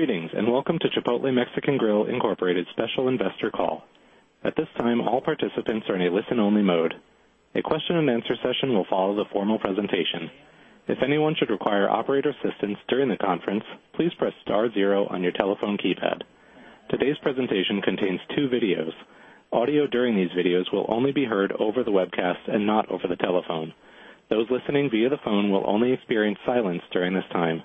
Greetings, welcome to Chipotle Mexican Grill, Inc. special investor call. At this time, all participants are in a listen-only mode. A question and answer session will follow the formal presentation. If anyone should require operator assistance during the conference, please press star zero on your telephone keypad. Today's presentation contains two videos. Audio during these videos will only be heard over the webcast and not over the telephone. Those listening via the phone will only experience silence during this time.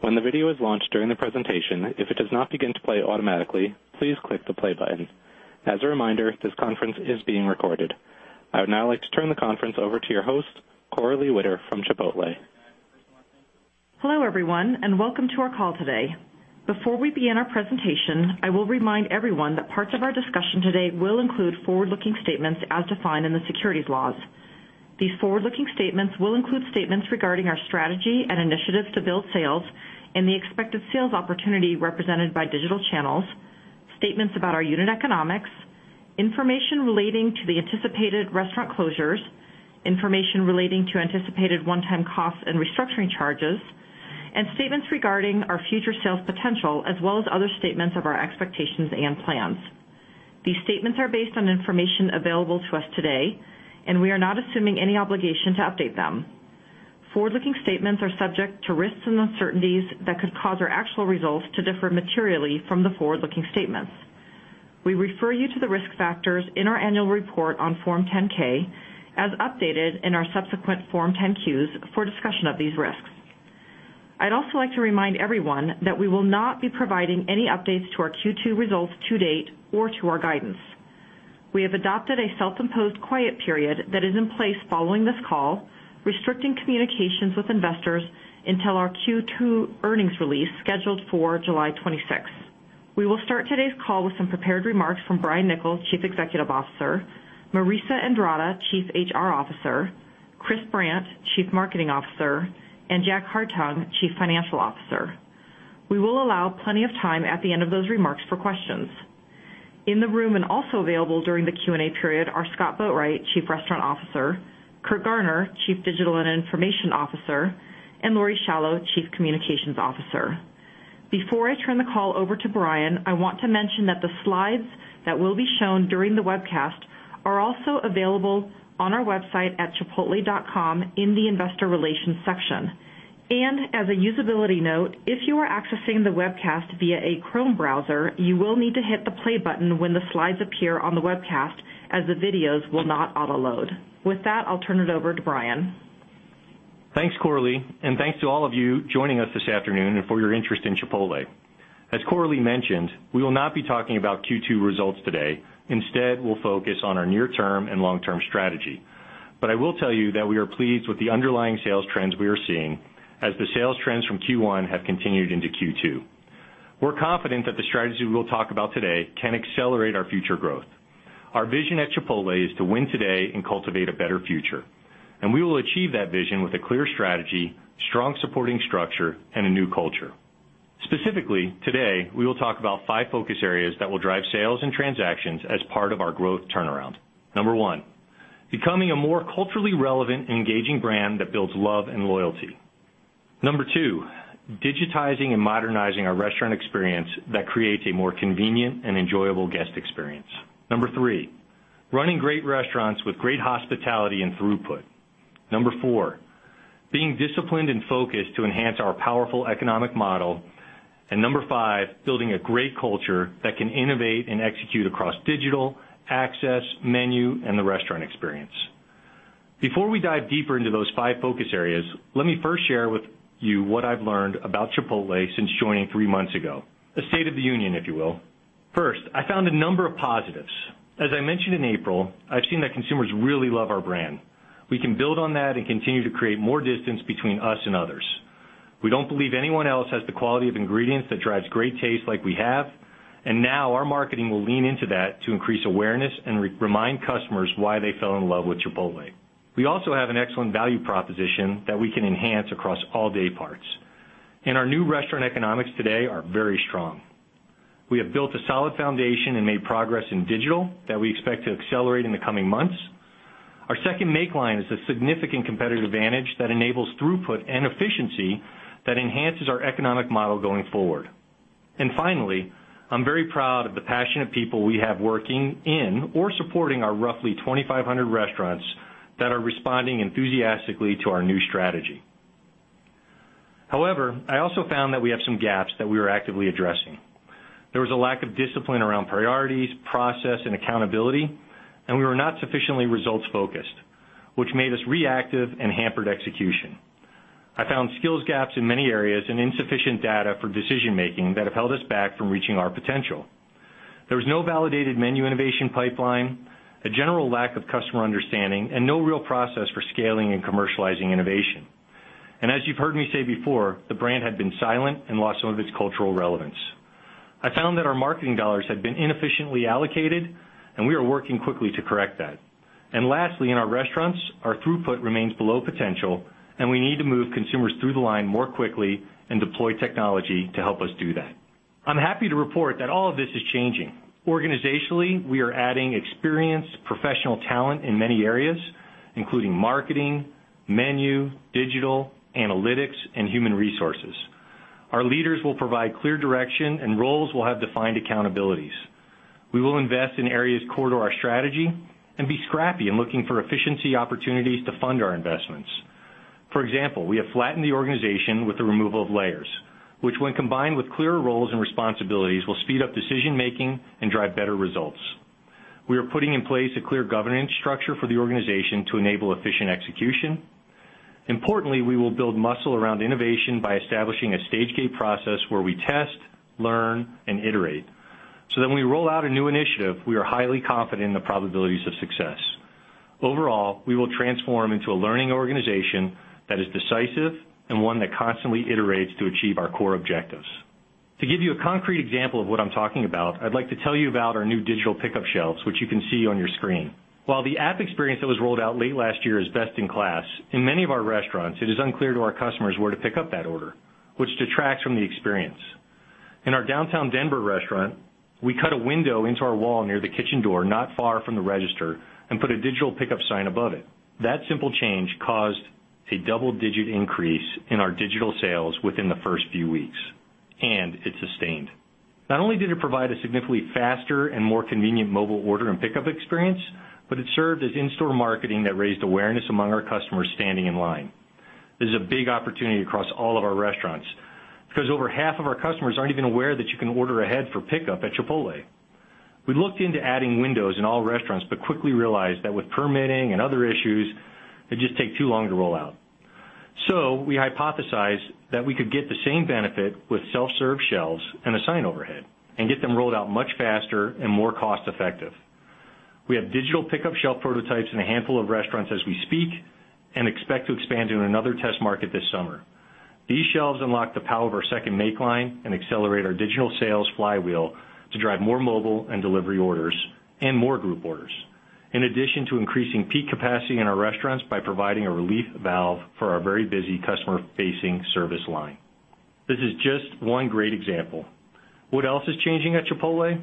When the video is launched during the presentation, if it does not begin to play automatically, please click the play button. As a reminder, this conference is being recorded. I would now like to turn the conference over to your host, Coralie Witter from Chipotle. Hello, everyone, welcome to our call today. Before we begin our presentation, I will remind everyone that parts of our discussion today will include forward-looking statements as defined in the securities laws. These forward-looking statements will include statements regarding our strategy and initiatives to build sales and the expected sales opportunity represented by digital channels, statements about our unit economics, information relating to the anticipated restaurant closures, information relating to anticipated one-time costs and restructuring charges, and statements regarding our future sales potential, as well as other statements of our expectations and plans. These statements are based on information available to us today, we are not assuming any obligation to update them. Forward-looking statements are subject to risks and uncertainties that could cause our actual results to differ materially from the forward-looking statements. We refer you to the risk factors in our annual report on Form 10-K, as updated in our subsequent Form 10-Q, for discussion of these risks. I'd also like to remind everyone that we will not be providing any updates to our Q2 results to date or to our guidance. We have adopted a self-imposed quiet period that is in place following this call, restricting communications with investors until our Q2 earnings release, scheduled for July 26th. We will start today's call with some prepared remarks from Brian Niccol, Chief Executive Officer, Marissa Andrada, Chief HR Officer, Chris Brandt, Chief Marketing Officer, and Jack Hartung, Chief Financial Officer. We will allow plenty of time at the end of those remarks for questions. In the room and also available during the Q&A period are Scott Boatwright, Chief Restaurant Officer, Curt Garner, Chief Digital and Information Officer, and Laurie Schalow, Chief Communications Officer. Before I turn the call over to Brian, I want to mention that the slides that will be shown during the webcast are also available on our website at chipotle.com in the investor relations section. As a usability note, if you are accessing the webcast via a Chrome browser, you will need to hit the play button when the slides appear on the webcast, as the videos will not autoload. With that, I'll turn it over to Brian. Thanks, Coralie, and thanks to all of you joining us this afternoon and for your interest in Chipotle. As Coralie mentioned, we will not be talking about Q2 results today. Instead, we will focus on our near-term and long-term strategy. I will tell you that we are pleased with the underlying sales trends we are seeing, as the sales trends from Q1 have continued into Q2. We are confident that the strategy we will talk about today can accelerate our future growth. Our vision at Chipotle is to win today and cultivate a better future, and we will achieve that vision with a clear strategy, strong supporting structure, and a new culture. Specifically, today, we will talk about five focus areas that will drive sales and transactions as part of our growth turnaround. Number one, becoming a more culturally relevant and engaging brand that builds love and loyalty. Number two, digitizing and modernizing our restaurant experience that creates a more convenient and enjoyable guest experience. Number three, running great restaurants with great hospitality and throughput. Number four, being disciplined and focused to enhance our powerful economic model. Number five, building a great culture that can innovate and execute across digital, access, menu, and the restaurant experience. Before we dive deeper into those five focus areas, let me first share with you what I've learned about Chipotle since joining three months ago. A state of the union, if you will. First, I found a number of positives. As I mentioned in April, I've seen that consumers really love our brand. We can build on that and continue to create more distance between us and others. We don't believe anyone else has the quality of ingredients that drives great taste like we have, now our marketing will lean into that to increase awareness and remind customers why they fell in love with Chipotle. We also have an excellent value proposition that we can enhance across all day parts. Our new restaurant economics today are very strong. We have built a solid foundation and made progress in digital that we expect to accelerate in the coming months. Our second make line is a significant competitive advantage that enables throughput and efficiency that enhances our economic model going forward. Finally, I'm very proud of the passionate people we have working in or supporting our roughly 2,500 restaurants that are responding enthusiastically to our new strategy. However, I also found that we have some gaps that we are actively addressing. There was a lack of discipline around priorities, process, and accountability, we were not sufficiently results-focused, which made us reactive and hampered execution. I found skills gaps in many areas and insufficient data for decision-making that have held us back from reaching our potential. There was no validated menu innovation pipeline, a general lack of customer understanding, and no real process for scaling and commercializing innovation. As you've heard me say before, the brand had been silent and lost some of its cultural relevance. I found that our marketing dollars had been inefficiently allocated, we are working quickly to correct that. Lastly, in our restaurants, our throughput remains below potential, we need to move consumers through the line more quickly and deploy technology to help us do that. I'm happy to report that all of this is changing. Organizationally, we are adding experienced professional talent in many areas, including marketing, menu, digital, analytics, and human resources. Our leaders will provide clear direction, and roles will have defined accountabilities. We will invest in areas core to our strategy and be scrappy in looking for efficiency opportunities to fund our investments. For example, we have flattened the organization with the removal of layers, which when combined with clearer roles and responsibilities, will speed up decision-making and drive better results. We are putting in place a clear governance structure for the organization to enable efficient execution. Importantly, we will build muscle around innovation by establishing a stage gate process where we test, learn, and iterate, so that when we roll out a new initiative, we are highly confident in the probabilities of success. Overall, we will transform into a learning organization that is decisive and one that constantly iterates to achieve our core objectives. To give you a concrete example of what I'm talking about, I'd like to tell you about our new digital pickup shelves, which you can see on your screen. While the app experience that was rolled out late last year is best in class, in many of our restaurants, it is unclear to our customers where to pick up that order, which detracts from the experience. In our downtown Denver restaurant, we cut a window into our wall near the kitchen door, not far from the register, and put a digital pickup sign above it. That simple change caused a double-digit increase in our digital sales within the first few weeks, and it sustained. Not only did it provide a significantly faster and more convenient mobile order and pickup experience, it served as in-store marketing that raised awareness among our customers standing in line. This is a big opportunity across all of our restaurants because over half of our customers aren't even aware that you can order ahead for pickup at Chipotle. We looked into adding windows in all restaurants, but quickly realized that with permitting and other issues, it'd just take too long to roll out. We hypothesized that we could get the same benefit with self-serve shelves and a sign overhead and get them rolled out much faster and more cost-effective. We have digital pickup shelf prototypes in a handful of restaurants as we speak and expect to expand to another test market this summer. These shelves unlock the power of our second make line and accelerate our digital sales flywheel to drive more mobile and delivery orders and more group orders. In addition to increasing peak capacity in our restaurants by providing a relief valve for our very busy customer-facing service line. This is just one great example. What else is changing at Chipotle?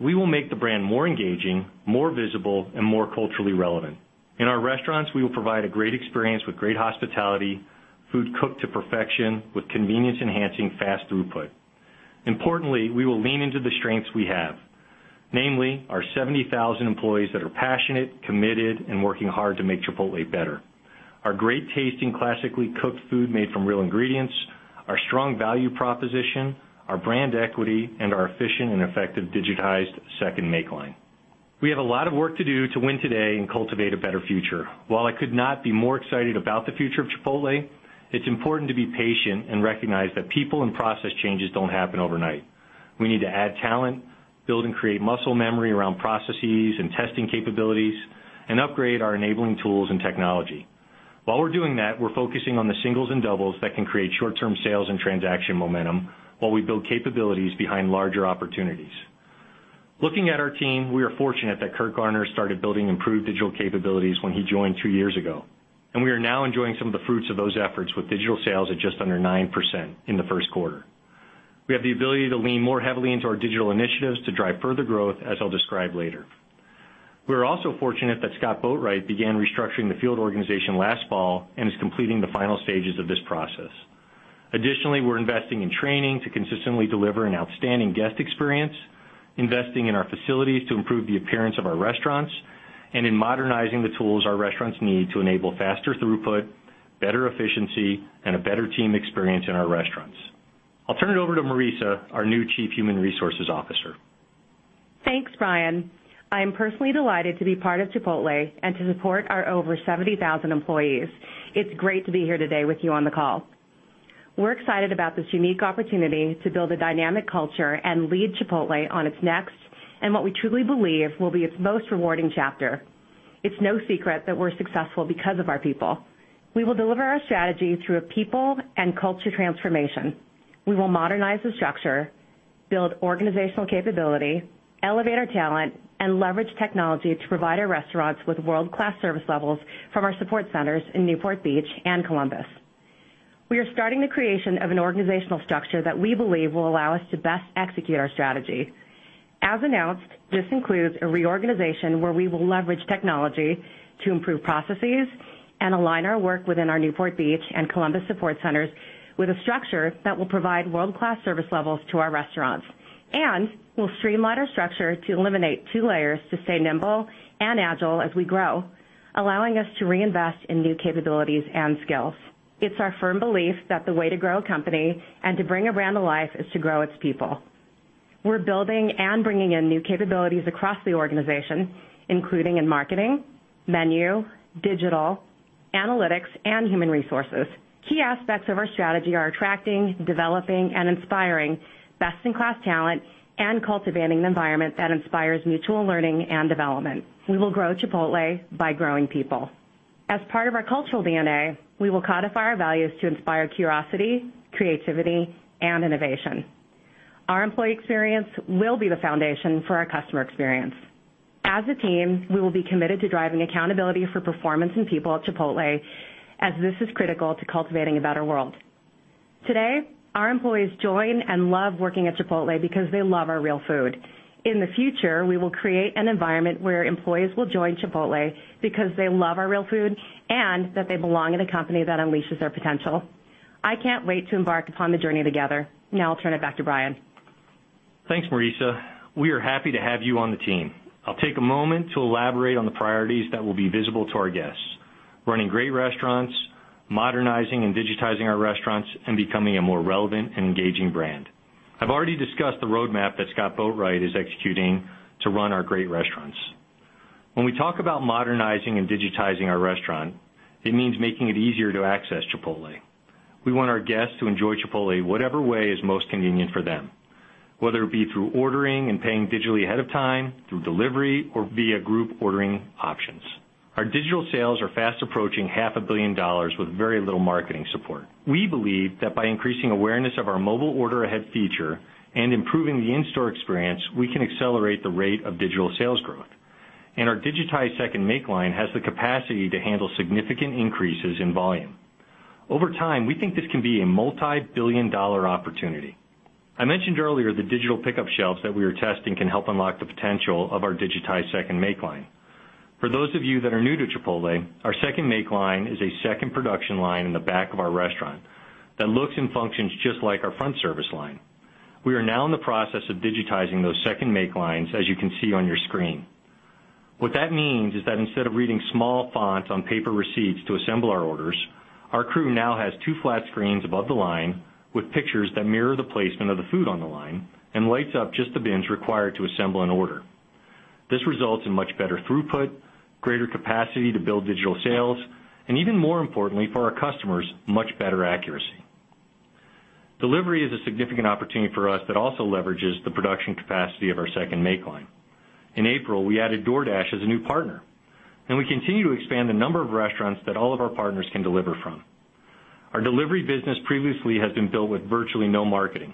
We will make the brand more engaging, more visible, and more culturally relevant. In our restaurants, we will provide a great experience with great hospitality, food cooked to perfection, with convenience, enhancing fast throughput. Importantly, we will lean into the strengths we have, namely our 70,000 employees that are passionate, committed, and working hard to make Chipotle better. Our great tasting, classically cooked food made from real ingredients, our strong value proposition, our brand equity, and our efficient and effective digitized second make line. We have a lot of work to do to win today and cultivate a better future. While I could not be more excited about the future of Chipotle, it is important to be patient and recognize that people and process changes don't happen overnight. We need to add talent, build and create muscle memory around processes and testing capabilities, and upgrade our enabling tools and technology. While we're doing that, we're focusing on the singles and doubles that can create short-term sales and transaction momentum while we build capabilities behind larger opportunities. Looking at our team, we are fortunate that Curt Garner started building improved digital capabilities when he joined two years ago. We are now enjoying some of the fruits of those efforts with digital sales at just under 9% in the first quarter. We have the ability to lean more heavily into our digital initiatives to drive further growth, as I'll describe later. We are also fortunate that Scott Boatwright began restructuring the field organization last fall and is completing the final stages of this process. Additionally, we're investing in training to consistently deliver an outstanding guest experience, investing in our facilities to improve the appearance of our restaurants, and in modernizing the tools our restaurants need to enable faster throughput, better efficiency, and a better team experience in our restaurants. I'll turn it over to Marissa, our new Chief Human Resources Officer. Thanks, Brian. I am personally delighted to be part of Chipotle and to support our over 70,000 employees. It's great to be here today with you on the call. We're excited about this unique opportunity to build a dynamic culture and lead Chipotle on its next, and what we truly believe will be its most rewarding chapter. It's no secret that we're successful because of our people. We will deliver our strategy through a people and culture transformation. We will modernize the structure, build organizational capability, elevate our talent, and leverage technology to provide our restaurants with world-class service levels from our support centers in Newport Beach and Columbus. We are starting the creation of an organizational structure that we believe will allow us to best execute our strategy. As announced, this includes a reorganization where we will leverage technology to improve processes and align our work within our Newport Beach and Columbus support centers with a structure that will provide world-class service levels to our restaurants. We'll streamline our structure to eliminate two layers to stay nimble and agile as we grow, allowing us to reinvest in new capabilities and skills. It's our firm belief that the way to grow a company and to bring a brand to life is to grow its people. We're building and bringing in new capabilities across the organization, including in marketing, menu, digital, analytics, and human resources. Key aspects of our strategy are attracting, developing, and inspiring best-in-class talent and cultivating an environment that inspires mutual learning and development. We will grow Chipotle by growing people. As part of our cultural DNA, we will codify our values to inspire curiosity, creativity, and innovation. Our employee experience will be the foundation for our customer experience. Thanks, Marissa. We are happy to have you on the team. I'll take a moment to elaborate on the priorities that will be visible to our guests. Running great restaurants, modernizing and digitizing our restaurants, and becoming a more relevant and engaging brand. I've already discussed the roadmap that Scott Boatwright is executing to run our great restaurants. When we talk about modernizing and digitizing our restaurant, it means making it easier to access Chipotle. We want our guests to enjoy Chipotle whatever way is most convenient for them, whether it be through ordering and paying digitally ahead of time, through delivery, or via group ordering options. Our digital sales are fast approaching half a billion dollars with very little marketing support. We believe that by increasing awareness of our mobile order-ahead feature and improving the in-store experience, we can accelerate the rate of digital sales growth. Our digitized second make line has the capacity to handle significant increases in volume. Over time, we think this can be a multi-billion dollar opportunity. I mentioned earlier the digital pickup shelves that we are testing can help unlock the potential of our digitized second make line. For those of you that are new to Chipotle, our second make line is a second production line in the back of our restaurant that looks and functions just like our front service line. We are now in the process of digitizing those second make lines, as you can see on your screen. What that means is that instead of reading small fonts on paper receipts to assemble our orders, our crew now has two flat screens above the line with pictures that mirror the placement of the food on the line and lights up just the bins required to assemble an order. This results in much better throughput, greater capacity to build digital sales, and even more importantly for our customers, much better accuracy. Delivery is a significant opportunity for us that also leverages the production capacity of our second make line. In April, we added DoorDash as a new partner, and we continue to expand the number of restaurants that all of our partners can deliver from. Our delivery business previously has been built with virtually no marketing.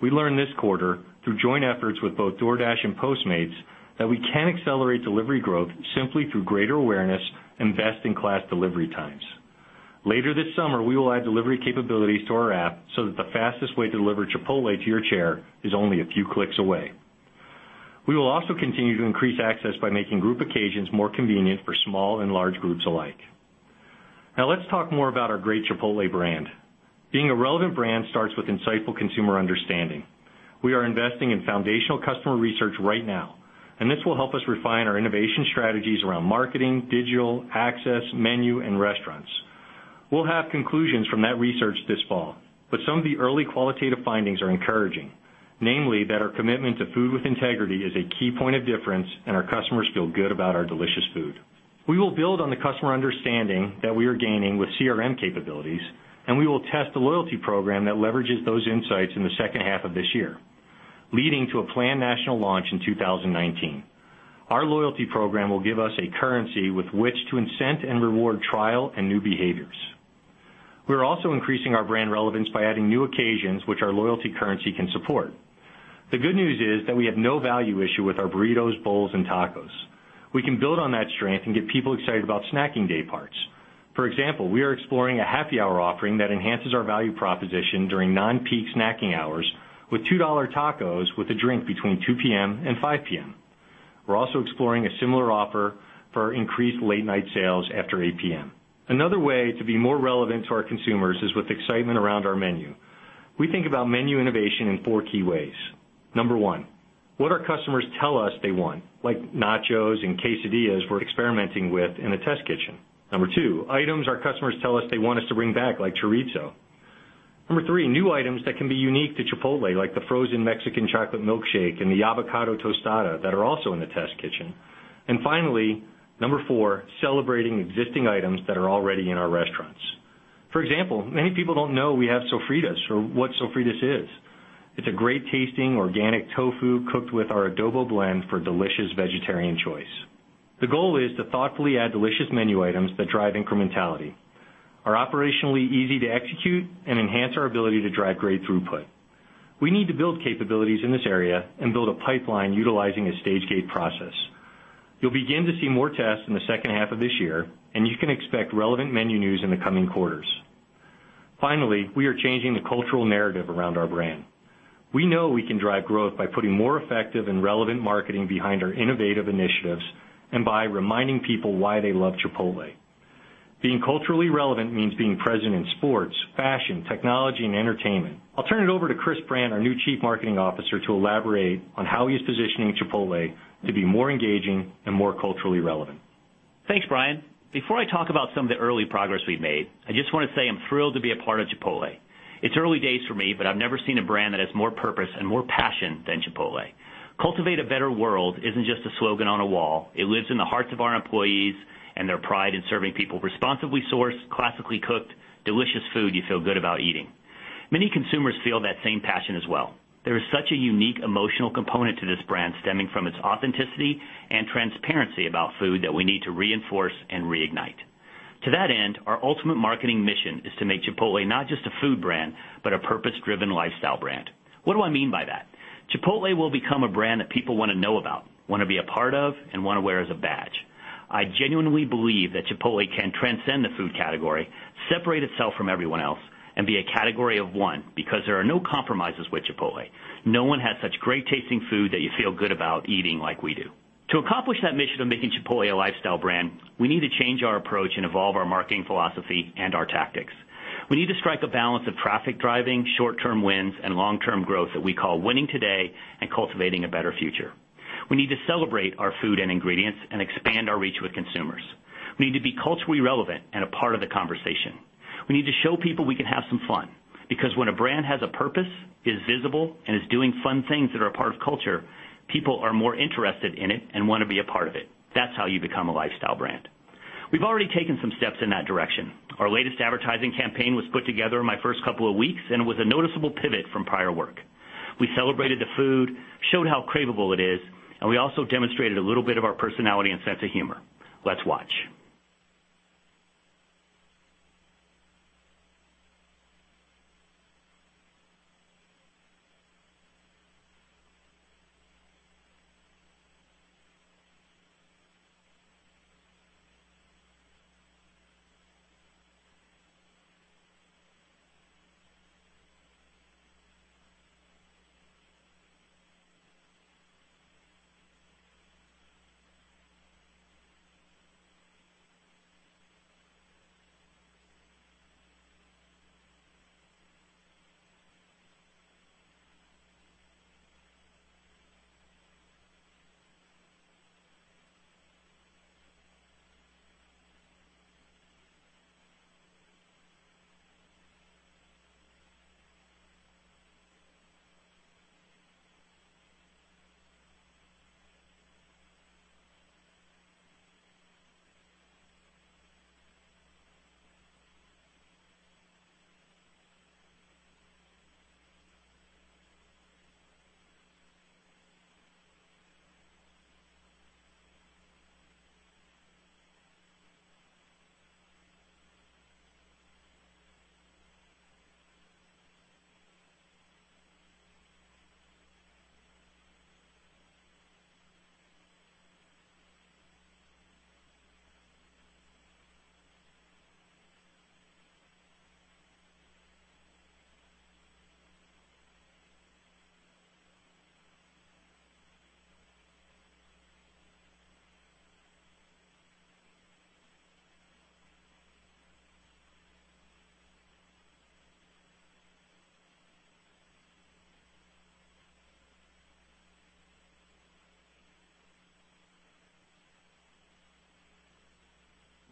We learned this quarter through joint efforts with both DoorDash and Postmates that we can accelerate delivery growth simply through greater awareness and best-in-class delivery times. Later this summer, we will add delivery capabilities to our app so that the fastest way to deliver Chipotle to your chair is only a few clicks away. We will also continue to increase access by making group occasions more convenient for small and large groups alike. Let's talk more about our great Chipotle brand. Being a relevant brand starts with insightful consumer understanding. We are investing in foundational customer research right now, and this will help us refine our innovation strategies around marketing, digital, access, menu, and restaurants. We'll have conclusions from that research this fall, but some of the early qualitative findings are encouraging. Namely, that our commitment to Food With Integrity is a key point of difference. Our customers feel good about our delicious food. We will build on the customer understanding that we are gaining with CRM capabilities. We will test a loyalty program that leverages those insights in the second half of this year, leading to a planned national launch in 2019. Our loyalty program will give us a currency with which to incent and reward trial and new behaviors. We're also increasing our brand relevance by adding new occasions which our loyalty currency can support. The good news is that we have no value issue with our burritos, bowls, and tacos. We can build on that strength and get people excited about snacking day parts. For example, we are exploring a happy hour offering that enhances our value proposition during non-peak snacking hours with $2 tacos with a drink between 2:00 P.M. and 5:00 P.M. We're also exploring a similar offer for increased late-night sales after 8:00 P.M. Another way to be more relevant to our consumers is with excitement around our menu. We think about menu innovation in four key ways. number 1, what our customers tell us they want, like nachos and quesadillas we're experimenting with in a test kitchen. number 2, items our customers tell us they want us to bring back, like chorizo. number 3, new items that can be unique to Chipotle, like the frozen Mexican chocolate milkshake and the avocado tostada that are also in the test kitchen. Finally, number 4, celebrating existing items that are already in our restaurants. For example, many people don't know we have Sofritas or what Sofritas is. It's a great-tasting organic tofu cooked with our Adobo blend for delicious vegetarian choice. The goal is to thoughtfully add delicious menu items that drive incrementality, are operationally easy to execute, and enhance our ability to drive great throughput. We need to build capabilities in this area and build a pipeline utilizing a stage gate process. You'll begin to see more tests in the second half of this year, and you can expect relevant menu news in the coming quarters. Finally, we are changing the cultural narrative around our brand. We know we can drive growth by putting more effective and relevant marketing behind our innovative initiatives and by reminding people why they love Chipotle. Being culturally relevant means being present in sports, fashion, technology, and entertainment. I'll turn it over to Chris Brandt, our new Chief Marketing Officer, to elaborate on how he's positioning Chipotle to be more engaging and more culturally relevant. Thanks, Brian. Before I talk about some of the early progress we've made, I just want to say I'm thrilled to be a part of Chipotle. It's early days for me, but I've never seen a brand that has more purpose and more passion than Chipotle. Cultivate a Better World isn't just a slogan on a wall. It lives in the hearts of our employees and their pride in serving people responsibly sourced, classically cooked, delicious food you feel good about eating. Many consumers feel that same passion as well. There is such a unique emotional component to this brand stemming from its authenticity and transparency about food that we need to reinforce and reignite. To that end, our ultimate marketing mission is to make Chipotle not just a food brand, but a purpose-driven lifestyle brand. What do I mean by that? Chipotle will become a brand that people want to know about, want to be a part of, and want to wear as a badge. I genuinely believe that Chipotle can transcend the food category, separate itself from everyone else, and be a category of one, because there are no compromises with Chipotle. No one has such great tasting food that you feel good about eating like we do. To accomplish that mission of making Chipotle a lifestyle brand, we need to change our approach and evolve our marketing philosophy and our tactics. We need to strike a balance of traffic-driving short-term wins and long-term growth that we call winning today and cultivating a better future. We need to celebrate our food and ingredients and expand our reach with consumers. We need to be culturally relevant and a part of the conversation. We need to show people we can have some fun, because when a brand has a purpose, is visible, and is doing fun things that are a part of culture, people are more interested in it and want to be a part of it. That's how you become a lifestyle brand. We've already taken some steps in that direction. Our latest advertising campaign was put together in my first couple of weeks. It was a noticeable pivot from prior work. We celebrated the food, showed how craveable it is. We also demonstrated a little bit of our personality and sense of humor. Let's watch.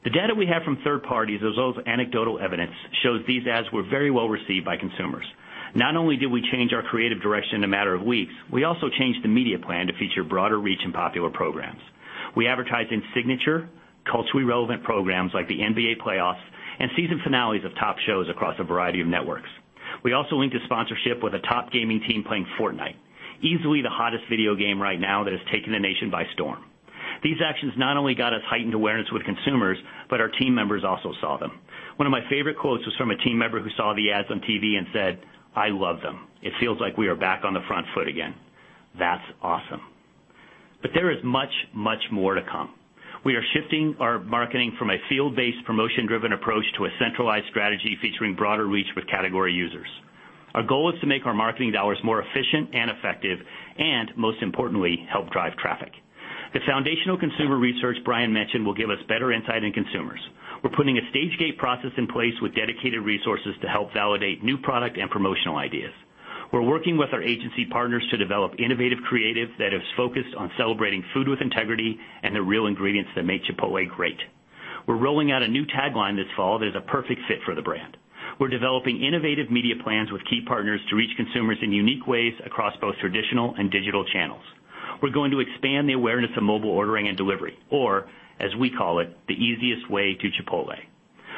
The data we have from third parties, as well as anecdotal evidence, shows these ads were very well-received by consumers. Not only did we change our creative direction in a matter of weeks, we also changed the media plan to feature broader reach and popular programs. We advertised in signature culturally relevant programs like the NBA playoffs and season finales of top shows across a variety of networks. We also linked a sponsorship with a top gaming team playing Fortnite, easily the hottest video game right now that has taken the nation by storm. These actions not only got us heightened awareness with consumers, but our team members also saw them. One of my favorite quotes was from a team member who saw the ads on TV and said, "I love them. It feels like we are back on the front foot again." That's awesome. There is much, much more to come. We are shifting our marketing from a field-based, promotion-driven approach to a centralized strategy featuring broader reach with category users. Our goal is to make our marketing dollars more efficient and effective. Most importantly, help drive traffic. The foundational consumer research Brian mentioned will give us better insight in consumers. We're putting a stage gate process in place with dedicated resources to help validate new product and promotional ideas. We're working with our agency partners to develop innovative creative that is focused on celebrating Food With Integrity and the real ingredients that make Chipotle great. We're rolling out a new tagline this fall that is a perfect fit for the brand. We're developing innovative media plans with key partners to reach consumers in unique ways across both traditional and digital channels. We're going to expand the awareness of mobile ordering and delivery, or as we call it, the easiest way to Chipotle.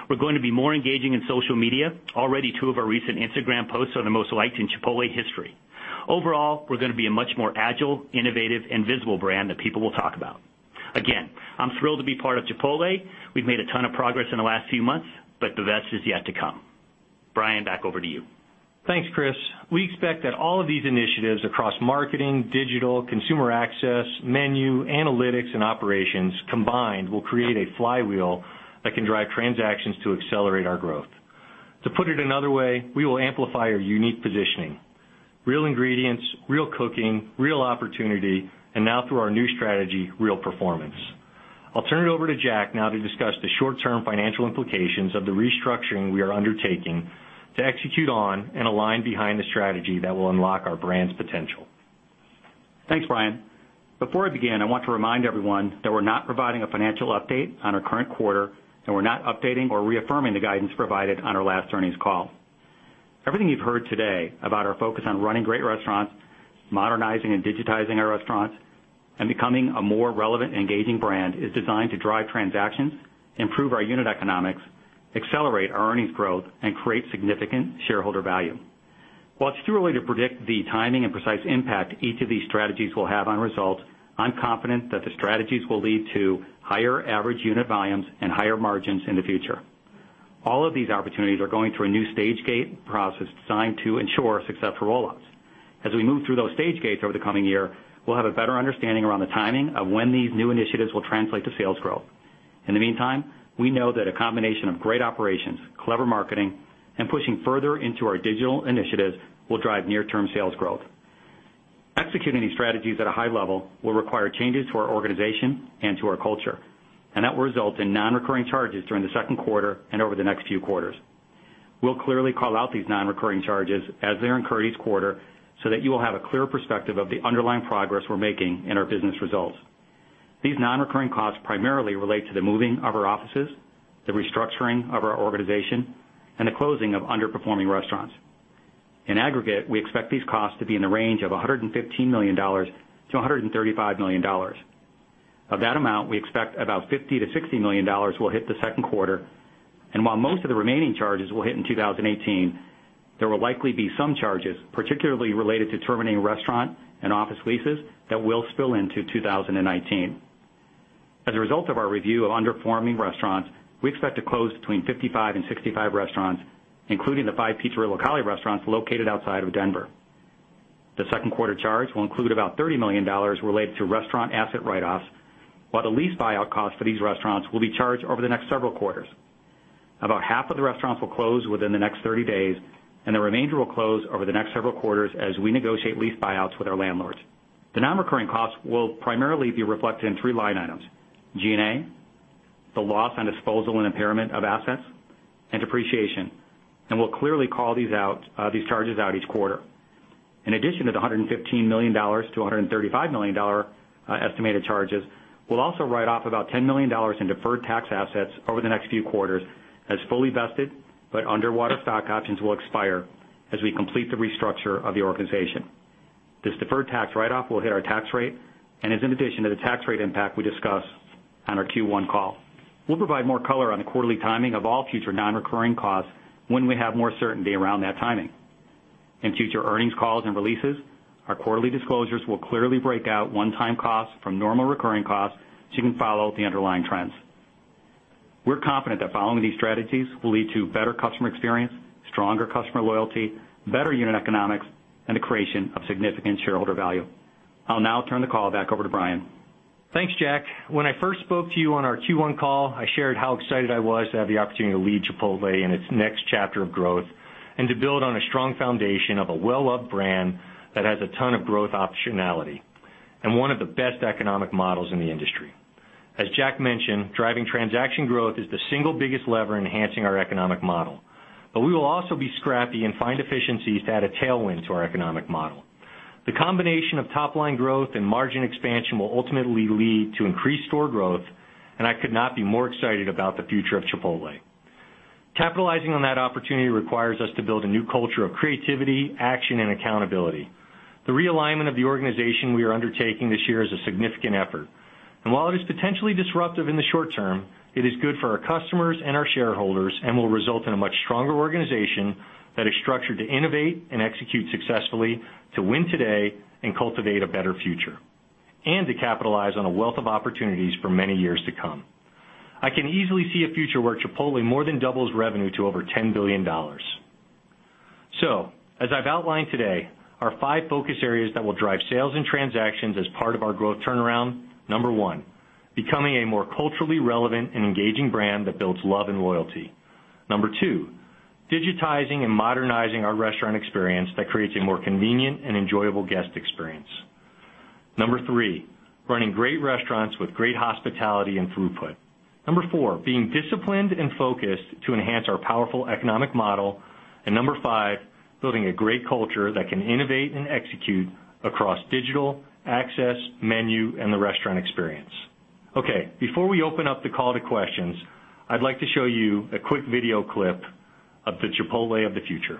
We're going to be more engaging in social media. Already, two of our recent Instagram posts are the most liked in Chipotle history. Overall, we're going to be a much more agile, innovative, and visible brand that people will talk about. Again, I'm thrilled to be part of Chipotle. We've made a ton of progress in the last few months. The best is yet to come. Brian, back over to you. Thanks, Chris. We expect that all of these initiatives across marketing, digital, consumer access, menu, analytics, and operations combined will create a flywheel that can drive transactions to accelerate our growth. To put it another way, we will amplify our unique positioning, real ingredients, real cooking, real opportunity, and now through our new strategy, real performance. I'll turn it over to Jack now to discuss the short-term financial implications of the restructuring we are undertaking to execute on and align behind the strategy that will unlock our brand's potential. Thanks, Brian. Before I begin, I want to remind everyone that we're not providing a financial update on our current quarter, and we're not updating or reaffirming the guidance provided on our last earnings call. Everything you've heard today about our focus on running great restaurants, modernizing and digitizing our restaurants, and becoming a more relevant and engaging brand is designed to drive transactions, improve our unit economics, accelerate our earnings growth, and create significant shareholder value. While it's too early to predict the timing and precise impact each of these strategies will have on results, I am confident that the strategies will lead to higher average unit volumes and higher margins in the future. All of these opportunities are going through a new stage gate process designed to ensure successful roll-outs. As we move through those stage gates over the coming year, we'll have a better understanding around the timing of when these new initiatives will translate to sales growth. In the meantime, we know that a combination of great operations, clever marketing, and pushing further into our digital initiatives will drive near-term sales growth. Executing these strategies at a high level will require changes to our organization and to our culture, that will result in non-recurring charges during the second quarter and over the next few quarters. We'll clearly call out these non-recurring charges as they're incurred each quarter, so that you will have a clear perspective of the underlying progress we're making in our business results. These non-recurring costs primarily relate to the moving of our offices, the restructuring of our organization, and the closing of underperforming restaurants. In aggregate, we expect these costs to be in the range of $115 million-$135 million. Of that amount, we expect about $50 million-$60 million will hit the second quarter, while most of the remaining charges will hit in 2018, there will likely be some charges, particularly related to terminating restaurant and office leases, that will spill into 2019. As a result of our review of underperforming restaurants, we expect to close between 55-65 restaurants, including the five Pizzeria Locale restaurants located outside of Denver. The second quarter charge will include about $30 million related to restaurant asset write-offs, while the lease buyout cost for these restaurants will be charged over the next several quarters. About half of the restaurants will close within the next 30 days, and the remainder will close over the next several quarters as we negotiate lease buyouts with our landlords. The non-recurring costs will primarily be reflected in three line items: G&A, the loss on disposal and impairment of assets, and depreciation, and we'll clearly call these charges out each quarter. In addition to the $115 million-$135 million estimated charges, we'll also write off about $10 million in deferred tax assets over the next few quarters as fully vested, but underwater stock options will expire as we complete the restructure of the organization. This deferred tax write-off will hit our tax rate and is in addition to the tax rate impact we discussed on our Q1 call. We'll provide more color on the quarterly timing of all future non-recurring costs when we have more certainty around that timing. In future earnings calls and releases, our quarterly disclosures will clearly break out one-time costs from normal recurring costs so you can follow the underlying trends. We're confident that following these strategies will lead to better customer experience, stronger customer loyalty, better unit economics, and the creation of significant shareholder value. I'll now turn the call back over to Brian. Thanks, Jack. When I first spoke to you on our Q1 call, I shared how excited I was to have the opportunity to lead Chipotle in its next chapter of growth and to build on a strong foundation of a well-loved brand that has a ton of growth optionality and one of the best economic models in the industry. As Jack mentioned, driving transaction growth is the single biggest lever enhancing our economic model. We will also be scrappy and find efficiencies to add a tailwind to our economic model. The combination of top-line growth and margin expansion will ultimately lead to increased store growth. I could not be more excited about the future of Chipotle. Capitalizing on that opportunity requires us to build a new culture of creativity, action, and accountability. The realignment of the organization we are undertaking this year is a significant effort, and while it is potentially disruptive in the short term, it is good for our customers and our shareholders and will result in a much stronger organization that is structured to innovate and execute successfully, to win today, and cultivate a better future, and to capitalize on a wealth of opportunities for many years to come. I can easily see a future where Chipotle more than doubles revenue to over $10 billion. As I've outlined today, our five focus areas that will drive sales and transactions as part of our growth turnaround, Number one, becoming a more culturally relevant and engaging brand that builds love and loyalty. Number two, digitizing and modernizing our restaurant experience that creates a more convenient and enjoyable guest experience. Number three, running great restaurants with great hospitality and throughput. Number four, being disciplined and focused to enhance our powerful economic model. Number five, building a great culture that can innovate and execute across digital, access, menu, and the restaurant experience. Okay, before we open up the call to questions, I'd like to show you a quick video clip of the Chipotle of the future.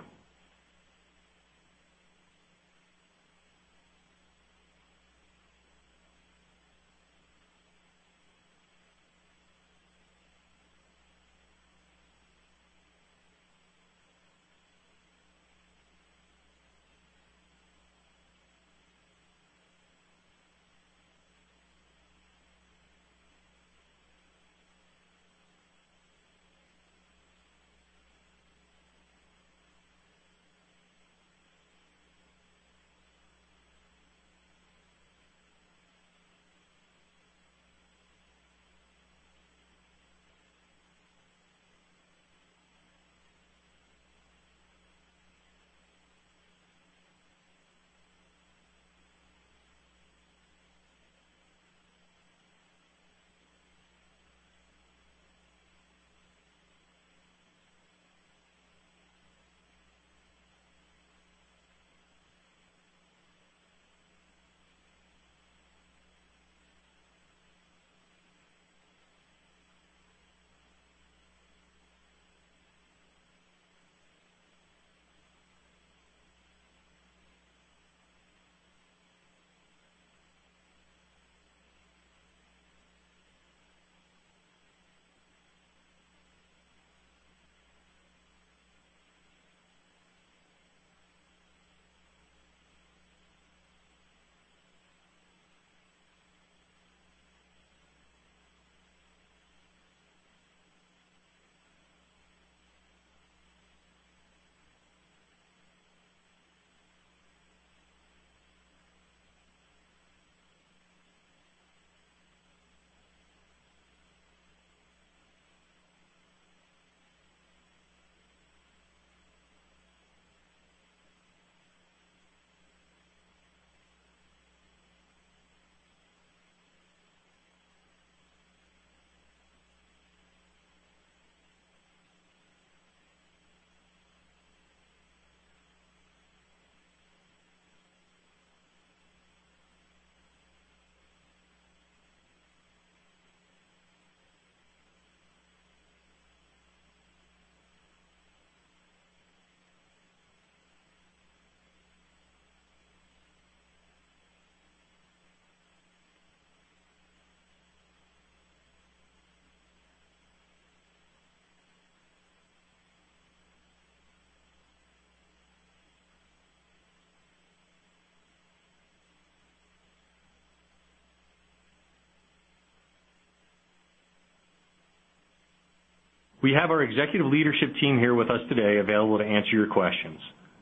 We have our executive leadership team here with us today available to answer your questions.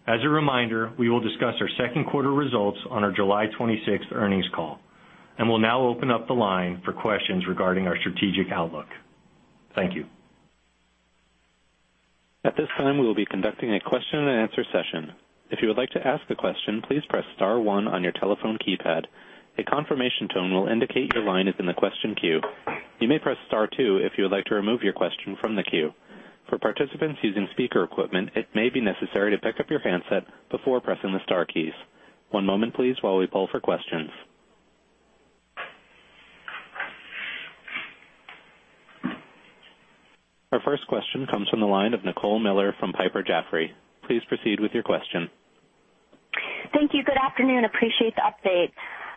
As a reminder, we will discuss our second quarter results on our July 26th earnings call. We'll now open up the line for questions regarding our strategic outlook. Thank you. At this time, we will be conducting a question and answer session. If you would like to ask a question, please press star one on your telephone keypad. A confirmation tone will indicate your line is in the question queue. You may press star two if you would like to remove your question from the queue. For participants using speaker equipment, it may be necessary to pick up your handset before pressing the star keys. One moment please while we poll for questions. Our first question comes from the line of Nicole Miller from Piper Sandler. Please proceed with your question. Thank you. Good afternoon. Appreciate the update.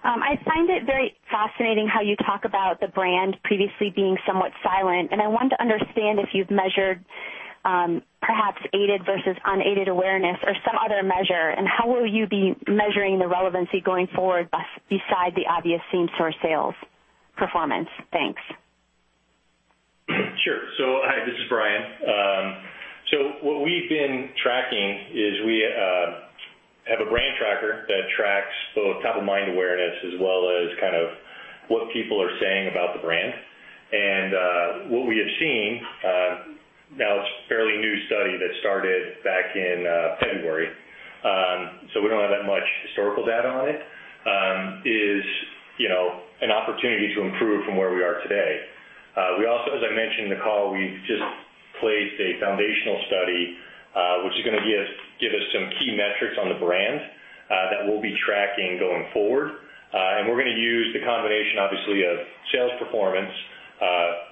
I find it very fascinating how you talk about the brand previously being somewhat silent. I wanted to understand if you've measured, perhaps aided versus unaided awareness or some other measure. How will you be measuring the relevancy going forward beside the obvious same-store sales performance? Thanks. Sure. Hi, this is Brian. What we've been tracking is we have a brand tracker that tracks both top-of-mind awareness as well as what people are saying about the brand. What we have seen, now it's a fairly new study that started back in February, so we don't have that much historical data on it, is an opportunity to improve from where we are today. We also, as I mentioned in the call, we just placed a foundational study, which is going to give us some key metrics on the brand that we'll be tracking going forward. We're going to use the combination, obviously, of sales performance,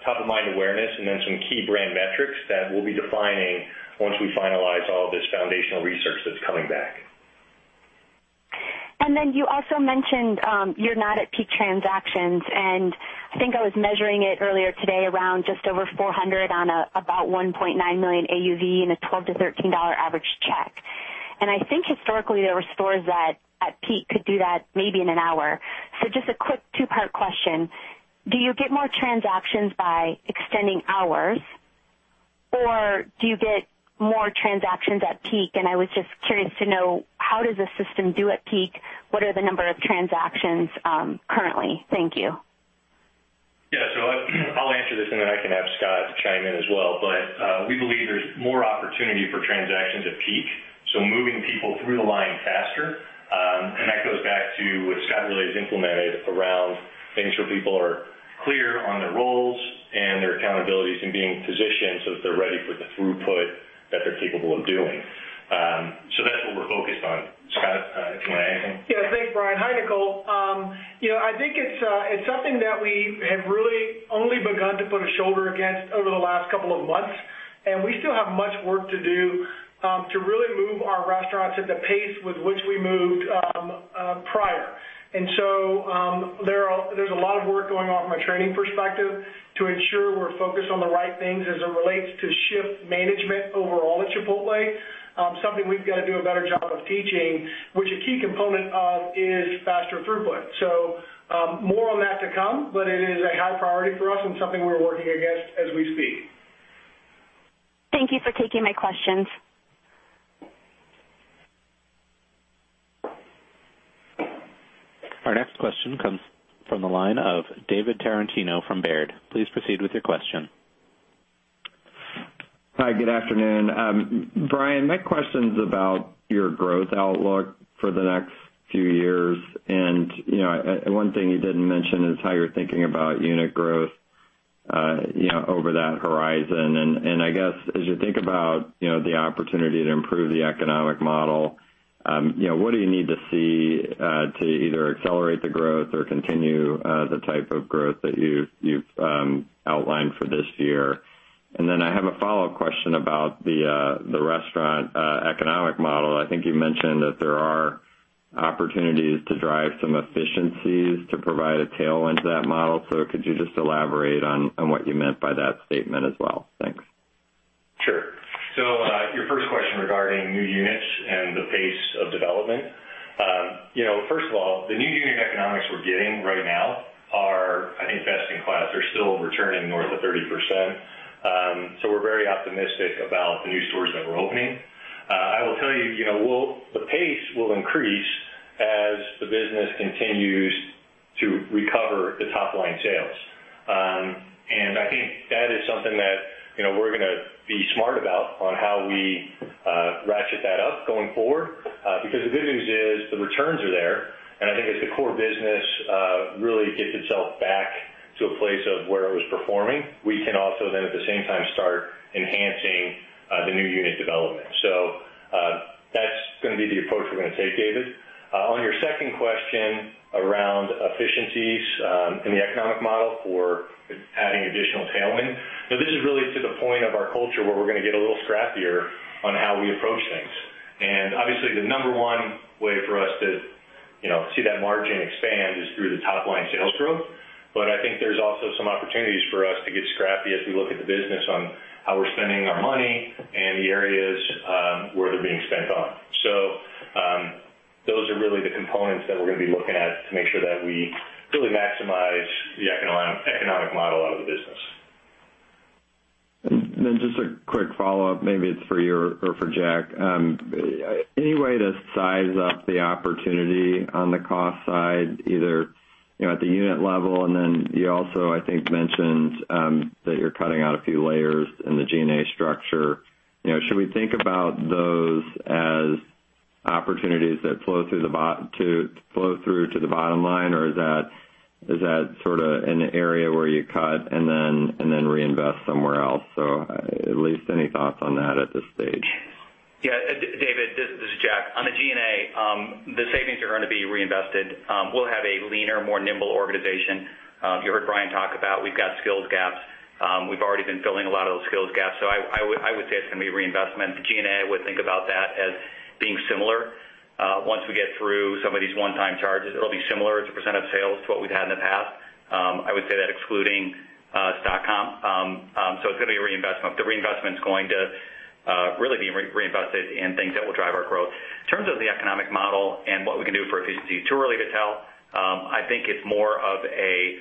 top-of-mind awareness, and then some key brand metrics that we'll be defining once we finalize all of this foundational research that's coming back. You also mentioned, you're not at peak transactions. I think I was measuring it earlier today around just over 400 on about $1.9 million AUV and a $12-$13 average check. I think historically there were stores that at peak could do that maybe in an hour. Just a quick two-part question. Do you get more transactions by extending hours, or do you get more transactions at peak? I was just curious to know how does the system do at peak? What are the number of transactions currently? Thank you. Yeah. I'll answer this and then I can have Scott chime in as well. We believe there's more opportunity for transactions at peak, moving people through the line faster. That goes back to what Scott really has implemented around making sure people are clear on their roles and their accountabilities and being positioned so that they're ready for the throughput that they're capable of doing. That's what we're focused on. Scott, if you want to add anything? Yeah, thanks, Brian. Hi, Nicole. I think it's something that we have really only begun to put a shoulder against over the last couple of months, and we still have much work to do to really move our restaurants at the pace with which we moved prior. There's a lot of work going on from a training perspective to ensure we're focused on the right things as it relates to shift management overall at Chipotle. Something we've got to do a better job of teaching, which a key component of is faster throughput. More on that to come, but it is a high priority for us and something we're working against as we speak. Thank you for taking my questions. Our next question comes from the line of David Tarantino from Baird. Please proceed with your question. Hi, good afternoon. Brian, my question's about your growth outlook for the next few years. One thing you didn't mention is how you're thinking about unit growth over that horizon. I guess as you think about the opportunity to improve the economic model, what do you need to see to either accelerate the growth or continue the type of growth that you've outlined for this year? Then I have a follow-up question about the restaurant economic model. I think you mentioned that there are opportunities to drive some efficiencies to provide a tailwind to that model. Could you just elaborate on what you meant by that statement as well? Thanks. Sure. Your first question regarding new units and the pace of development. First of all, the new unit economics we're getting right now are, I think, best in class. They're still returning north of 30%. We're very optimistic about the new stores that we're opening. I will tell you, the pace will increase as the business continues to recover the top-line sales. I think that is something that we're going to be smart about on how we ratchet that up going forward. Because the good news is the returns are there, and I think as the core business really gets itself back to a place of where it was performing, we can also then at the same time start enhancing the new unit development. That's going to be the approach we're going to take, David. On your second question around efficiencies in the economic model for adding additional tailwind. This is really to the point of our culture where we're going to get a little scrappier on how we approach things. Obviously the number one way for us to see that margin expand is through the top-line sales growth. I think there's also some opportunities for us to get scrappy as we look at the business on how we're spending our money and the areas where they're being spent on. Those are really the components that we're going to be looking at to make sure that we really maximize the economic model out of the business. Just a quick follow-up, maybe it's for you or for Jack. Any way to size up the opportunity on the cost side, either at the unit level, and then you also, I think, mentioned that you're cutting out a few layers in the G&A structure. Should we think about those as opportunities that flow through to the bottom line, or is that sort of an area where you cut and then reinvest somewhere else? At least any thoughts on that at this stage? David, this is Jack. On the G&A, the savings are going to be reinvested. We'll have a leaner, more nimble organization. You heard Brian talk about, we've got skills gaps. We've already been filling a lot of those skills gaps. I would say it's going to be reinvestment. The G&A, I would think about that as being similar. Once we get through some of these one-time charges, it'll be similar as a % of sales to what we've had in the past. I would say that excluding dot-com. It's going to be a reinvestment. The reinvestment's going to really be reinvested in things that will drive our growth. In terms of the economic model and what we can do for efficiency, too early to tell. I think it's more of a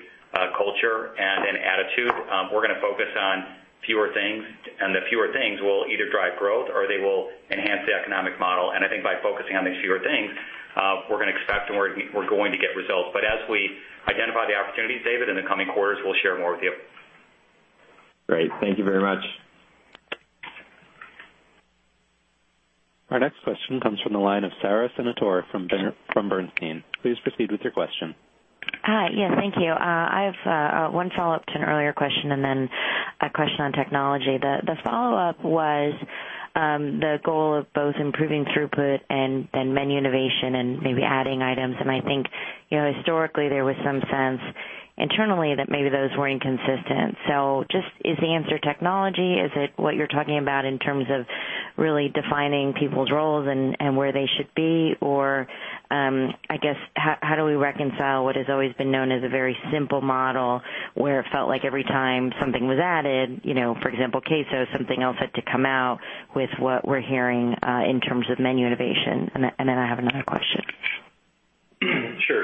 culture and an attitude. We're going to focus on fewer things, the fewer things will either drive growth or they will enhance the economic model. I think by focusing on these fewer things, we're going to expect and we're going to get results. As we identify the opportunities, David, in the coming quarters, we'll share more with you. Great. Thank you very much. Our next question comes from the line of Sara Senatore from Bernstein. Please proceed with your question. Hi. Yes, thank you. I have one follow-up to an earlier question and then a question on technology. The follow-up was the goal of both improving throughput and menu innovation and maybe adding items. I think historically there was some sense internally that maybe those were inconsistent. Just is the answer technology? Is it what you're talking about in terms of really defining people's roles and where they should be? I guess, how do we reconcile what has always been known as a very simple model, where it felt like every time something was added, for example, queso, something else had to come out with what we're hearing in terms of menu innovation, and then I have another question. Sure.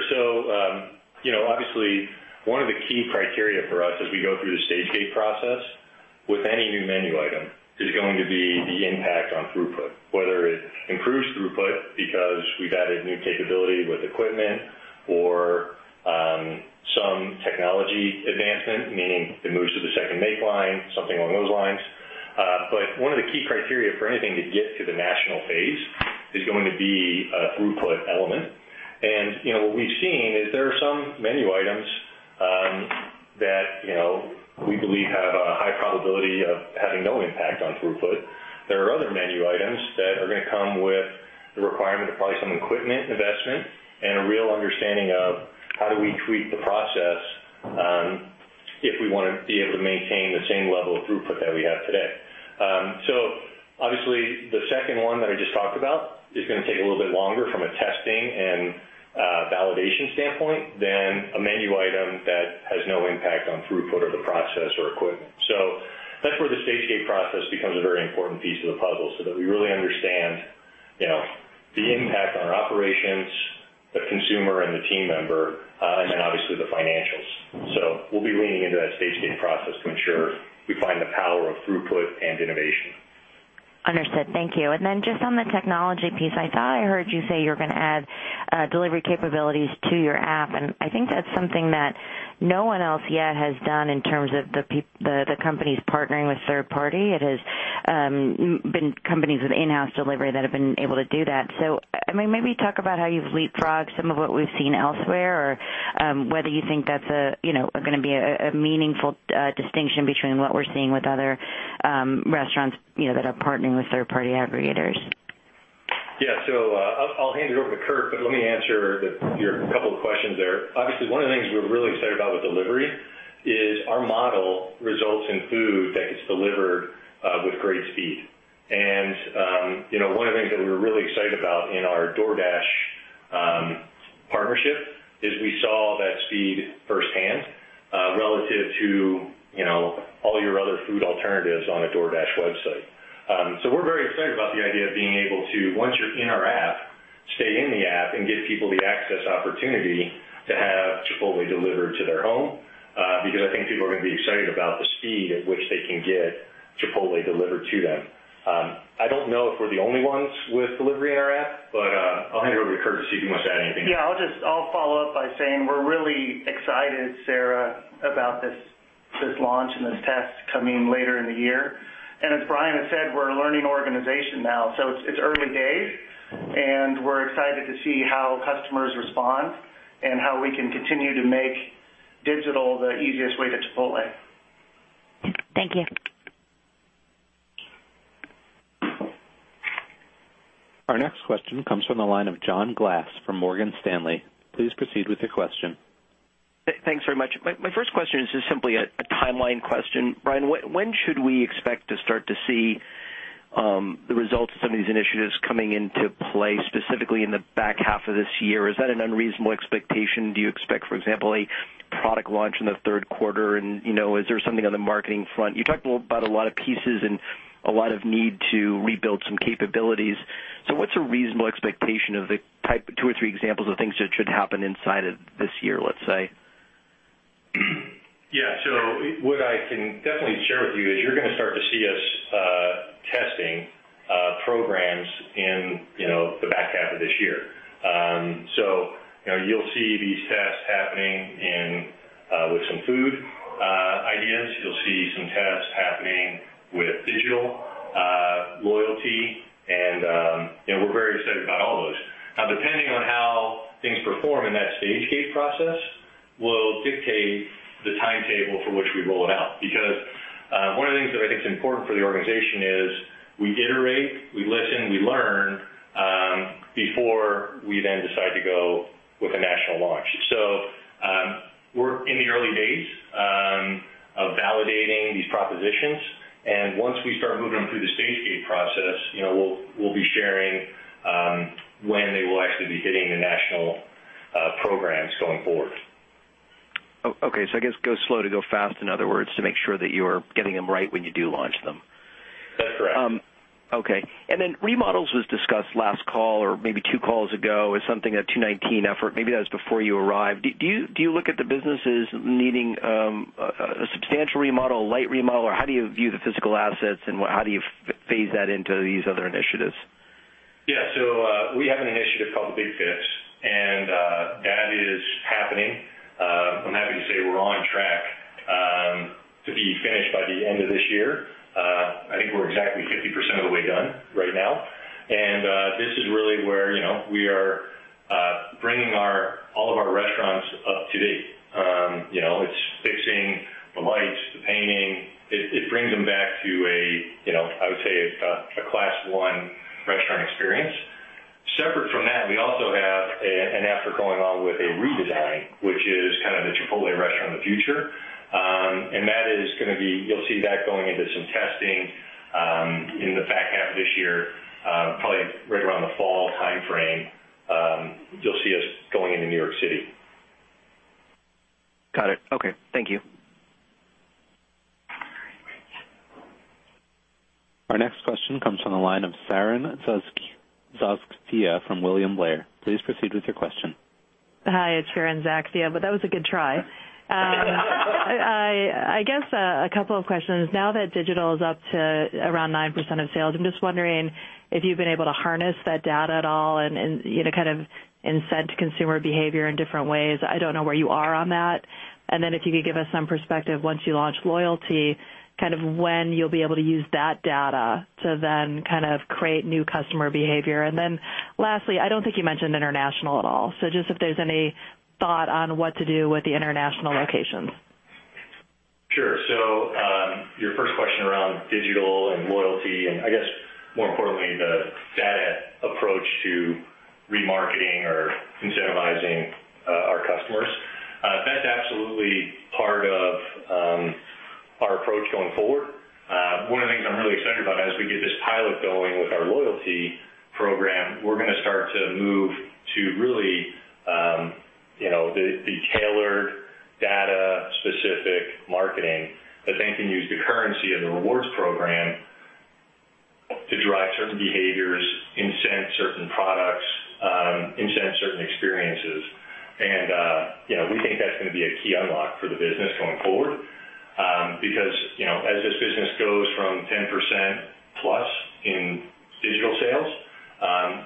Obviously one of the key criteria for us as we go through the stage gate process with any new menu item is going to be the impact on throughput. Whether it improves throughput because we've added new capability with equipment or some technology advancement, meaning it moves to the second make line, something along those lines. One of the key criteria for anything to get to the national phase is going to be a throughput element. What we've seen is there are some menu items that we believe have a high probability of having no impact on throughput. There are other menu items that are going to come with the requirement of probably some equipment investment and a real understanding of how do we tweak the process if we want to be able to maintain the same level of throughput that we have today. Obviously the second one that I just talked about is going to take a little bit longer from a testing and validation standpoint than a menu item that has no impact on throughput of the process or equipment. That's where the stage gate process becomes a very important piece of the puzzle so that we really understand the impact on our operations, the consumer and the team member, and then obviously the financials. We'll be leaning into that stage gate process to ensure we find the power of throughput and innovation. Understood. Thank you. Then just on the technology piece, I thought I heard you say you're going to add delivery capabilities to your app, and I think that's something that no one else yet has done in terms of the companies partnering with third-party. It has been companies with in-house delivery that have been able to do that. Maybe talk about how you've leapfrogged some of what we've seen elsewhere or whether you think that's going to be a meaningful distinction between what we're seeing with other restaurants that are partnering with third-party aggregators. Yeah. I'll hand it over to Curt, but let me answer your couple of questions there. Obviously, one of the things we're really excited about with delivery is our model results in food that gets delivered with great speed. One of the things that we're really excited about in our DoorDash partnership is we saw that speed firsthand relative to all your other food alternatives on a DoorDash website. We're very excited about the idea of being able to, once you're in our app, stay in the app, and give people the access opportunity to have Chipotle delivered to their home, because I think people are going to be excited about the speed at which they can get Chipotle delivered to them. I don't know if we're the only ones with delivery in our app, but I'll hand it over to Curt to see if you want to add anything. Yeah. I'll follow up by saying we're really excited, Sara, about this launch and this test coming later in the year. As Brian has said, we're a learning organization now, it's early days, we're excited to see how customers respond and how we can continue to make digital the easiest way to Chipotle. Thank you. Our next question comes from the line of John Glass from Morgan Stanley. Please proceed with your question. Thanks very much. My first question is just simply a timeline question. Brian, when should we expect to start to see the results of some of these initiatives coming into play, specifically in the back half of this year? Is that an unreasonable expectation? Do you expect, for example, a product launch in the third quarter? Is there something on the marketing front? You talked about a lot of pieces and a lot of need to rebuild some capabilities. What's a reasonable expectation of the type 2 or 3 examples of things that should happen inside of this year, let's say? Yeah. What I can definitely share with you is you're going to start to see us testing programs in the back half of this year. You'll see these tests happening with some food ideas. You'll see some tests happening with digital loyalty, and we're very excited about all those. Depending on how things perform in that stage gate process will dictate the timetable for which we roll it out. One of the things that I think is important for the organization is we iterate, we listen, we learn, before we then decide to go with a national launch. We're in the early days of validating these propositions, and once we start moving through the stage gate process, we'll be sharing when they will actually be hitting the national programs going forward. I guess go slow to go fast, in other words, to make sure that you're getting them right when you do launch them. That's correct. Okay. Remodels was discussed last call, or maybe two calls ago, as something of a 2019 effort. Maybe that was before you arrived. Do you look at the businesses needing a substantial remodel, a light remodel, or how do you view the physical assets and how do you phase that into these other initiatives? Yeah. We have an initiative called the Big Fix, and that is happening. I'm happy to say we're on track to be finished by the end of this year. I think we're exactly 50% of the way done right now. This is really where we are bringing all of our restaurants up to date. It's fixing the lights, the painting. It brings them back to a, I would say, a class 1 restaurant experience. Separate from that, we also have an effort going on with a redesign, which is kind of the Chipotle restaurant of the future. You'll see that going into some testing in the back half of this year, probably right around the fall timeframe, you'll see us going into New York City. Got it. Okay. Thank you. Our next question comes from the line of Sharon Zackfia from William Blair. Please proceed with your question. Hi, it's Sharon Zackfia, that was a good try. I guess a couple of questions. Now that digital is up to around 9% of sales, I'm just wondering if you've been able to harness that data at all and kind of incent consumer behavior in different ways. I don't know where you are on that. If you could give us some perspective, once you launch loyalty, kind of when you'll be able to use that data to then kind of create new customer behavior. Lastly, I don't think you mentioned international at all, so just if there's any thought on what to do with the international locations. Sure. Your first question around digital and loyalty, and I guess more importantly, the data approach to remarketing or incentivizing our customers. That's absolutely part of our approach going forward. One of the things I'm really excited about as we get this pilot going with our loyalty program, we're going to start to move to really the tailored data specific marketing that then can use the currency of the rewards program to drive certain behaviors, incent certain products, incent certain experiences. We think that's going to be a key unlock for the business going forward. As this business goes from 10% plus in digital sales,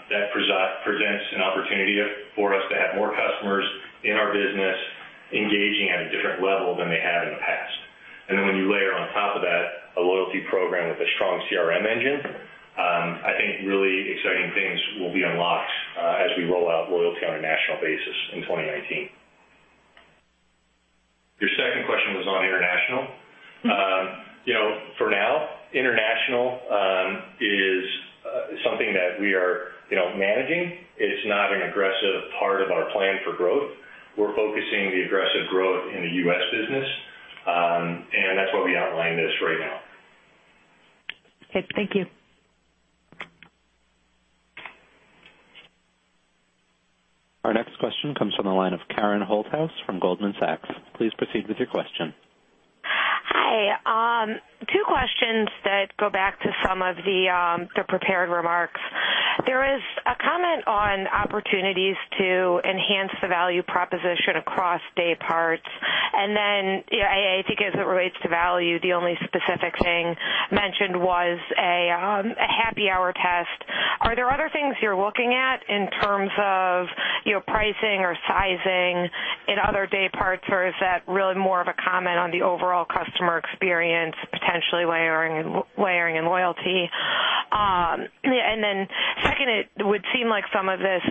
that presents an opportunity for us to have more customers in our business engaging at a different level than they have in the past. When you layer on top of that a loyalty program with a strong CRM engine, I think really exciting things will be unlocked as we roll out loyalty on a national basis in 2019. Your second question was on international. For now, international. We are managing. It's not an aggressive part of our plan for growth. We're focusing the aggressive growth in the U.S. business, and that's why we outlined this right now. Okay, thank you. Our next question comes from the line of Karen Holthouse from Goldman Sachs. Please proceed with your question. Hi. Two questions that go back to some of the prepared remarks. There is a comment on opportunities to enhance the value proposition across day parts, I think as it relates to value, the only specific thing mentioned was a happy hour test. Are there other things you're looking at in terms of pricing or sizing in other day parts, or is that really more of a comment on the overall customer experience, potentially layering and loyalty? Second, it would seem like some of this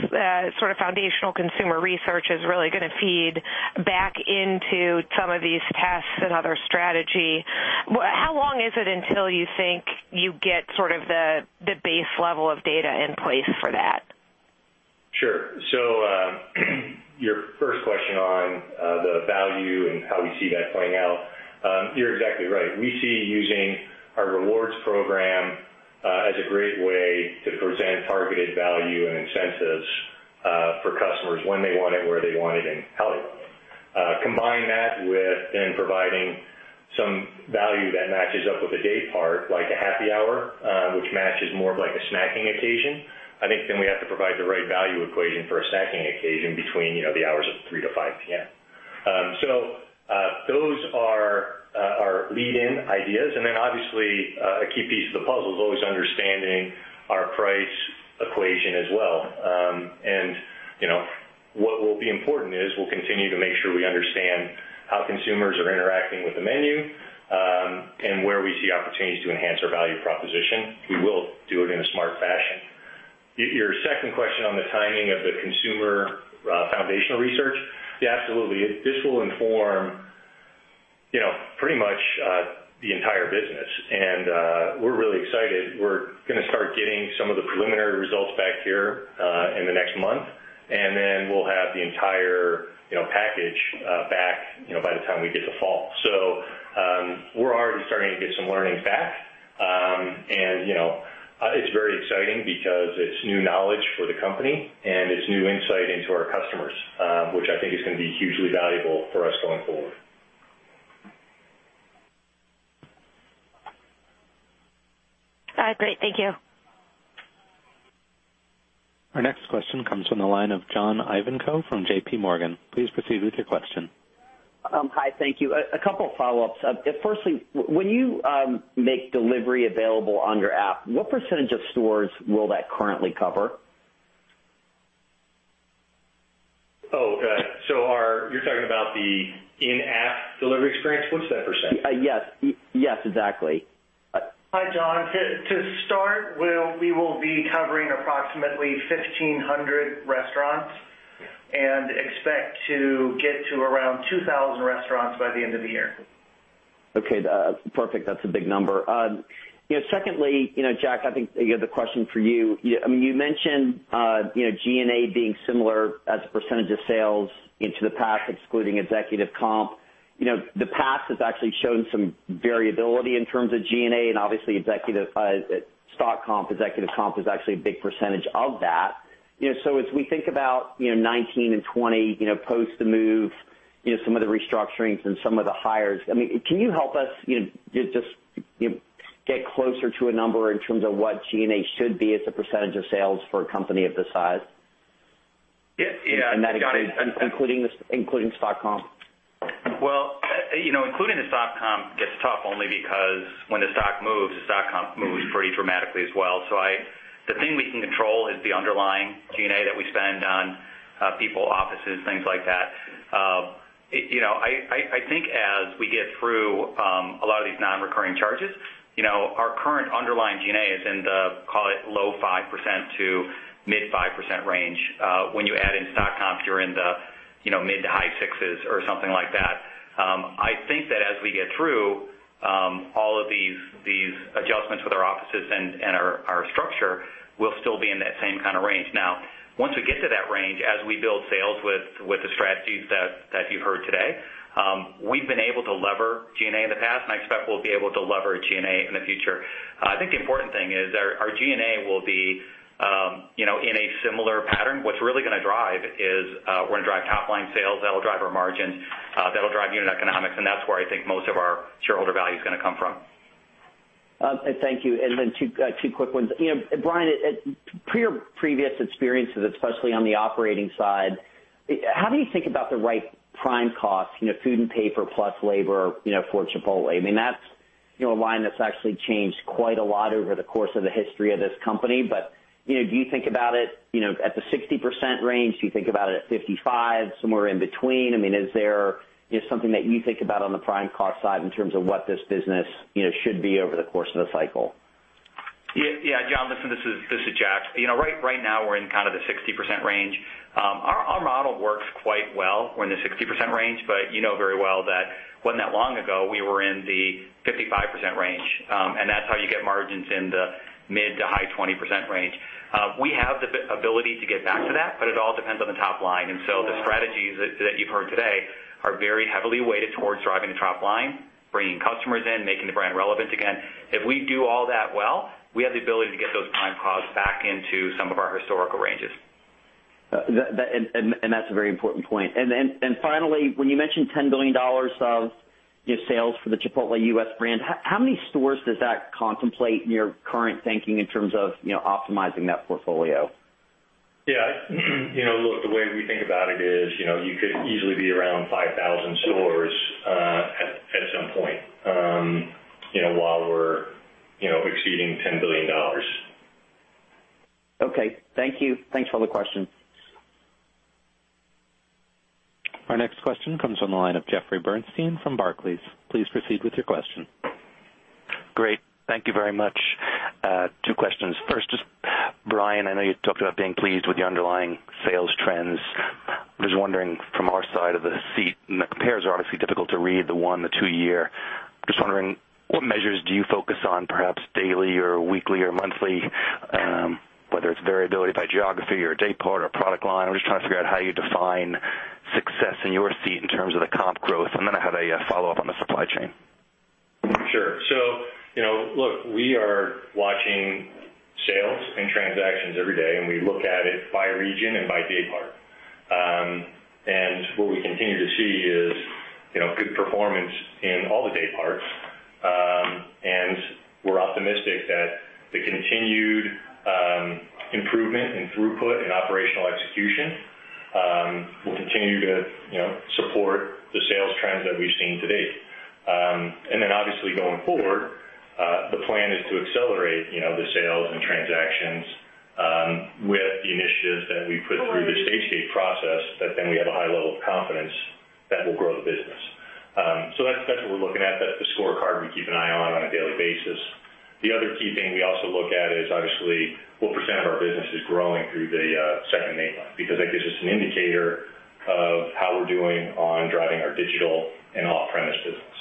sort of foundational consumer research is really going to feed back into some of these tests and other strategy. How long is it until you think you get sort of the base level of data in place for that? Sure. Your first question on the value and how we see that playing out. You're exactly right. We see using our rewards program as a great way to present targeted value and incentives for customers when they want it, where they want it, and how they want it. Combine that with providing some value that matches up with a day part, like a happy hour, which matches more of like a snacking occasion. I think we have to provide the right value equation for a snacking occasion between the hours of 3:00 to 5:00 P.M. Those are our lead-in ideas. Obviously, a key piece of the puzzle is always understanding our price equation as well. What will be important is we'll continue to make sure we understand how consumers are interacting with the menu, and where we see opportunities to enhance our value proposition. We will do it in a smart fashion. Your second question on the timing of the consumer foundational research, yeah, absolutely. This will inform pretty much the entire business, and we're really excited. We're going to start getting some of the preliminary results back here in the next month, we'll have the entire package back by the time we get to fall. We're already starting to get some learnings back. It's very exciting because it's new knowledge for the company and it's new insight into our customers, which I think is going to be hugely valuable for us going forward. All right, great. Thank you. Our next question comes from the line of John Ivankoe from J.PMorgan. Please proceed with your question. Hi, thank you. A couple follow-ups. Firstly, when you make delivery available on your app, what percentage of stores will that currently cover? Oh, okay. You're talking about the in-app delivery experience? What's that percentage? Yes, exactly. Hi, John. To start, we will be covering approximately 1,500 restaurants and expect to get to around 2,000 restaurants by the end of the year. Okay, perfect. That's a big number. Secondly, Jack, I think the question for you. You mentioned G&A being similar as a percentage of sales into the past, excluding executive comp. The past has actually shown some variability in terms of G&A, and obviously, stock comp, executive comp is actually a big % of that. As we think about 2019 and 2020 post the move, some of the restructurings and some of the hires, can you help us just get closer to a number in terms of what G&A should be as a % of sales for a company of this size? Yeah. That includes including stock comp. Well, including the stock comp gets tough only because when the stock moves, the stock comp moves pretty dramatically as well. The thing we can control is the underlying G&A that we spend on people, offices, things like that. I think as we get through a lot of these non-recurring charges, our current underlying G&A is in the, call it low 5% to mid 5% range. When you add in stock comp, you're in the mid to high sixes or something like that. I think that as we get through all of these adjustments with our offices and our structure, we'll still be in that same kind of range. Once we get to that range, as we build sales with the strategies that you've heard today, we've been able to lever G&A in the past, and I expect we'll be able to lever G&A in the future. I think the important thing is our G&A will be in a similar pattern. What's really going to drive is we're going to drive top-line sales. That'll drive our margins, that'll drive unit economics, and that's where I think most of our shareholder value is going to come from. Thank you. Then two quick ones. Brian, per your previous experiences, especially on the operating side, how do you think about the right prime cost, food and paper plus labor, for Chipotle? That's a line that's actually changed quite a lot over the course of the history of this company. Do you think about it at the 60% range? Do you think about it at 55%? Somewhere in between? Is there something that you think about on the prime cost side in terms of what this business should be over the course of the cycle? Yeah. John, listen, this is Jack. Right now, we're in kind of the 60% range. Our model works quite well. We're in the 60% range, but you know very well that it wasn't that long ago, we were in the 55% range, and that's how you get margins in the mid to high 20% range. We have the ability to get back to that, but it all depends on the top line. So the strategies that you've heard today are very heavily weighted towards driving the top line, bringing customers in, making the brand relevant again. If we do all that well, we have the ability to get those prime costs back into some of our historical ranges. That's a very important point. Finally, when you mentioned $10 billion of sales for the Chipotle U.S. brand, how many stores does that contemplate in your current thinking in terms of optimizing that portfolio? Yeah. Look, the way we think about it is, you could easily be around 5,000 stores at some point, while we're exceeding $10 billion. Okay. Thank you. Thanks for all the questions. Our next question comes from the line of Jeffrey Bernstein from Barclays. Please proceed with your question. Great. Thank you very much. Two questions. First, just Brian, I know you talked about being pleased with the underlying sales trends. Just wondering from our side of the seat, the compares are obviously difficult to read, the one, the two-year, just wondering what measures do you focus on perhaps daily or weekly or monthly, whether it's variability by geography or day part or product line? I'm just trying to figure out how you define success in your seat in terms of the comp growth. Then I had a follow-up on the supply chain. Sure. Look, we are watching sales and transactions every day. We look at it by region and by day part. What we continue to see is good performance in all the day parts. We're optimistic that the continued improvement in throughput and operational execution will continue to support the sales trends that we've seen to date. Obviously going forward, the plan is to accelerate the sales and transactions with the initiatives that we put through the stage gate process that we have a high level of confidence that will grow the business. That's what we're looking at. That's the scorecard we keep an eye on a daily basis. The other key thing we also look at is obviously what % of our business is growing through the second make line, because I think it's just an indicator of how we're doing on driving our digital and off-premise business.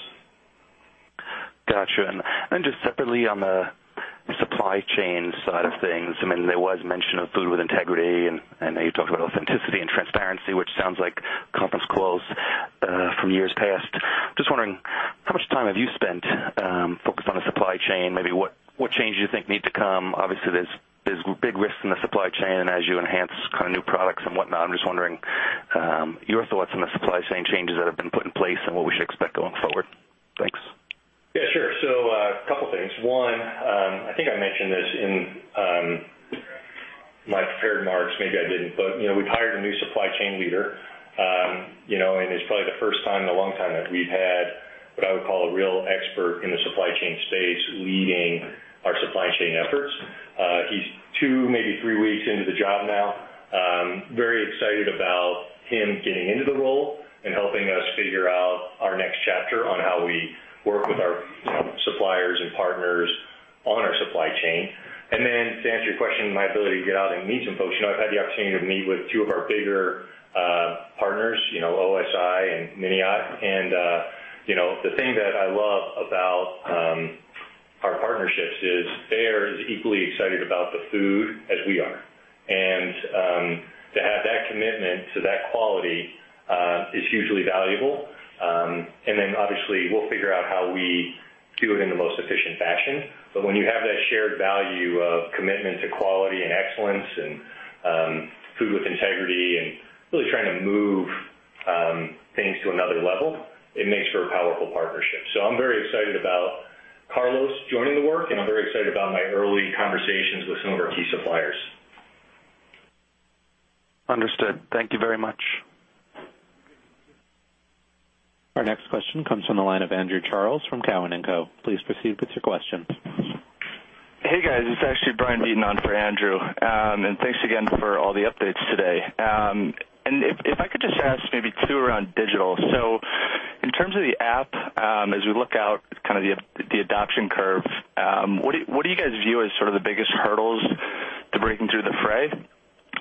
Got you. Just separately on the supply chain side of things, there was mention of Food With Integrity and I know you talked about authenticity and transparency, which sounds like conference calls from years past. Just wondering, how much time have you spent focused on the supply chain? Maybe what changes you think need to come? Obviously, there's big risks in the supply chain and as you enhance kind of new products and whatnot, I'm just wondering your thoughts on the supply chain changes that have been put in place and what we should expect going forward. Thanks. Yeah, sure. A couple things. One, I think I mentioned this in my prepared remarks, maybe I didn't, but we've hired a new supply chain leader. It's probably the first time in a long time that we've had what I would call a real expert in the supply chain space leading our supply chain efforts. He's two, maybe three weeks into the job now. Very excited about him getting into the role and helping us figure out our next chapter on how we work with our suppliers and partners on our supply chain. To answer your question, my ability to get out and meet some folks, I've had the opportunity to meet with two of our bigger partners, OSI and Miniat. The thing that I love about our partnerships is they are as equally excited about the food as we are. To have that commitment to that quality is hugely valuable. Obviously we'll figure out how we do it in the most efficient fashion. When you have that shared value of commitment to quality and excellence and Food With Integrity and really trying to move things to another level, it makes for a powerful partnership. I'm very excited about Carlos joining the work, and I'm very excited about my early conversations with some of our key suppliers. Understood. Thank you very much. Our next question comes from the line of Andrew Charles from Cowen and Co. Please proceed with your question. Hey, guys. It's actually Brian Beaton on for Andrew. Thanks again for all the updates today. If I could just ask maybe two around digital. In terms of the app, as we look out kind of the adoption curve, what do you guys view as sort of the biggest hurdles to breaking through the fray,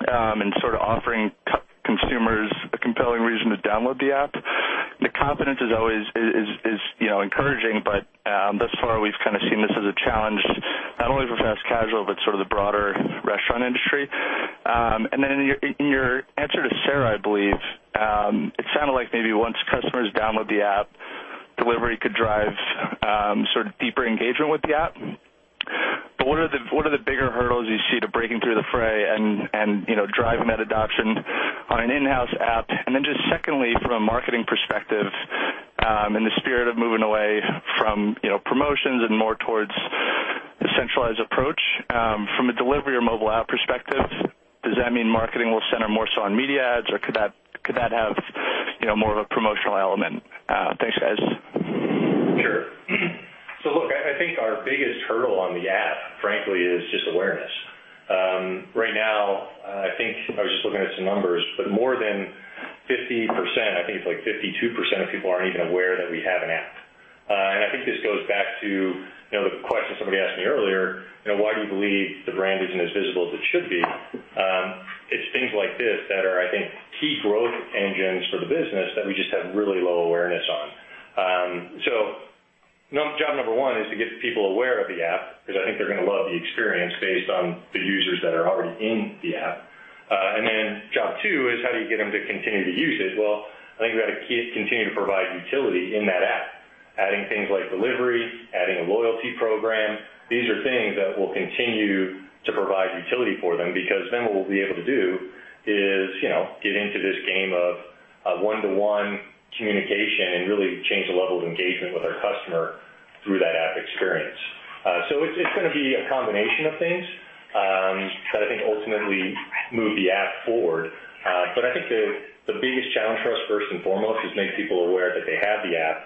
and sort of offering consumers a compelling reason to download the app? The confidence is encouraging, but thus far, we've kind of seen this as a challenge, not only for fast casual, but sort of the broader restaurant industry. In your answer to Sara, I believe, it sounded like maybe once customers download the app, delivery could drive sort of deeper engagement with the app. What are the bigger hurdles you see to breaking through the fray and driving that adoption on an in-house app? Just secondly, from a marketing perspective, in the spirit of moving away from promotions and more towards a centralized approach from a delivery or mobile app perspective, does that mean marketing will center more so on media ads or could that have more of a promotional element? Thanks, guys. Sure. I think our biggest hurdle on the app, frankly, is just awareness. Right now, I was just looking at some numbers, but more than 50%, I think it's like 52% of people aren't even aware that we have an app. I think this goes back to the question somebody asked me earlier, why do you believe the brand isn't as visible as it should be? It's things like this that are, I think, key growth engines for the business that we just have really low awareness on. Job number 1 is to get people aware of the app, because I think they're going to love the experience based on the users that are already in the app. Job 2 is how do you get them to continue to use it? I think we have to continue to provide utility in that app. Adding things like delivery, adding a loyalty program, these are things that will continue to provide utility for them, because then what we'll be able to do is get into this game of one-to-one communication and really change the level of engagement with our customer through that app experience. It's going to be a combination of things that I think ultimately move the app forward. I think the biggest challenge for us, first and foremost, is make people aware that they have the app.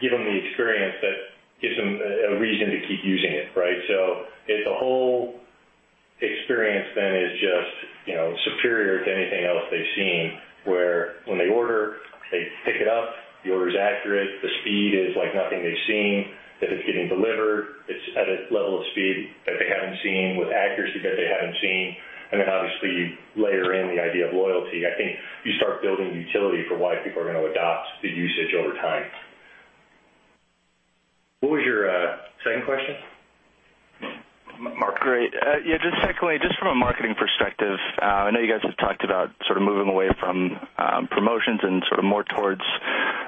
Give them the experience that gives them a reason to keep using it, right? If the whole experience then is just superior to anything else they've seen, where when they order, they pick it up, the order is accurate, the speed is like nothing they've seen, that it's getting delivered, it's at a level of speed that they haven't seen with accuracy that they haven't seen. Obviously, you layer in the idea of loyalty. I think you start building utility for why people are going to adopt the usage over time. What was your second question? Mark. Great. Yeah, just secondly, just from a marketing perspective, I know you guys have talked about sort of moving away from promotions and sort of more towards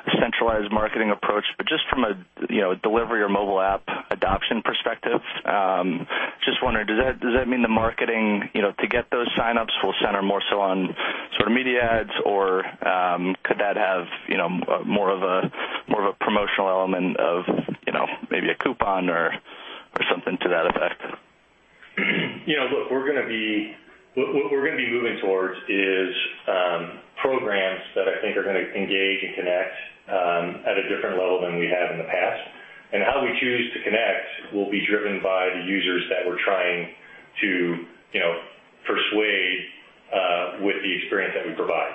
a centralized marketing approach, but just from a delivery or mobile app adoption perspective, just wondering, does that mean the marketing to get those signups will center more so on sort of media ads? Or could that have more of a promotional element of maybe a coupon or something to that effect? Look, what we're going to be moving towards is programs that I think are going to engage and connect at a different level than we have in the past. How we choose to connect will be driven by the users that we're trying to persuade with the experience that we provide.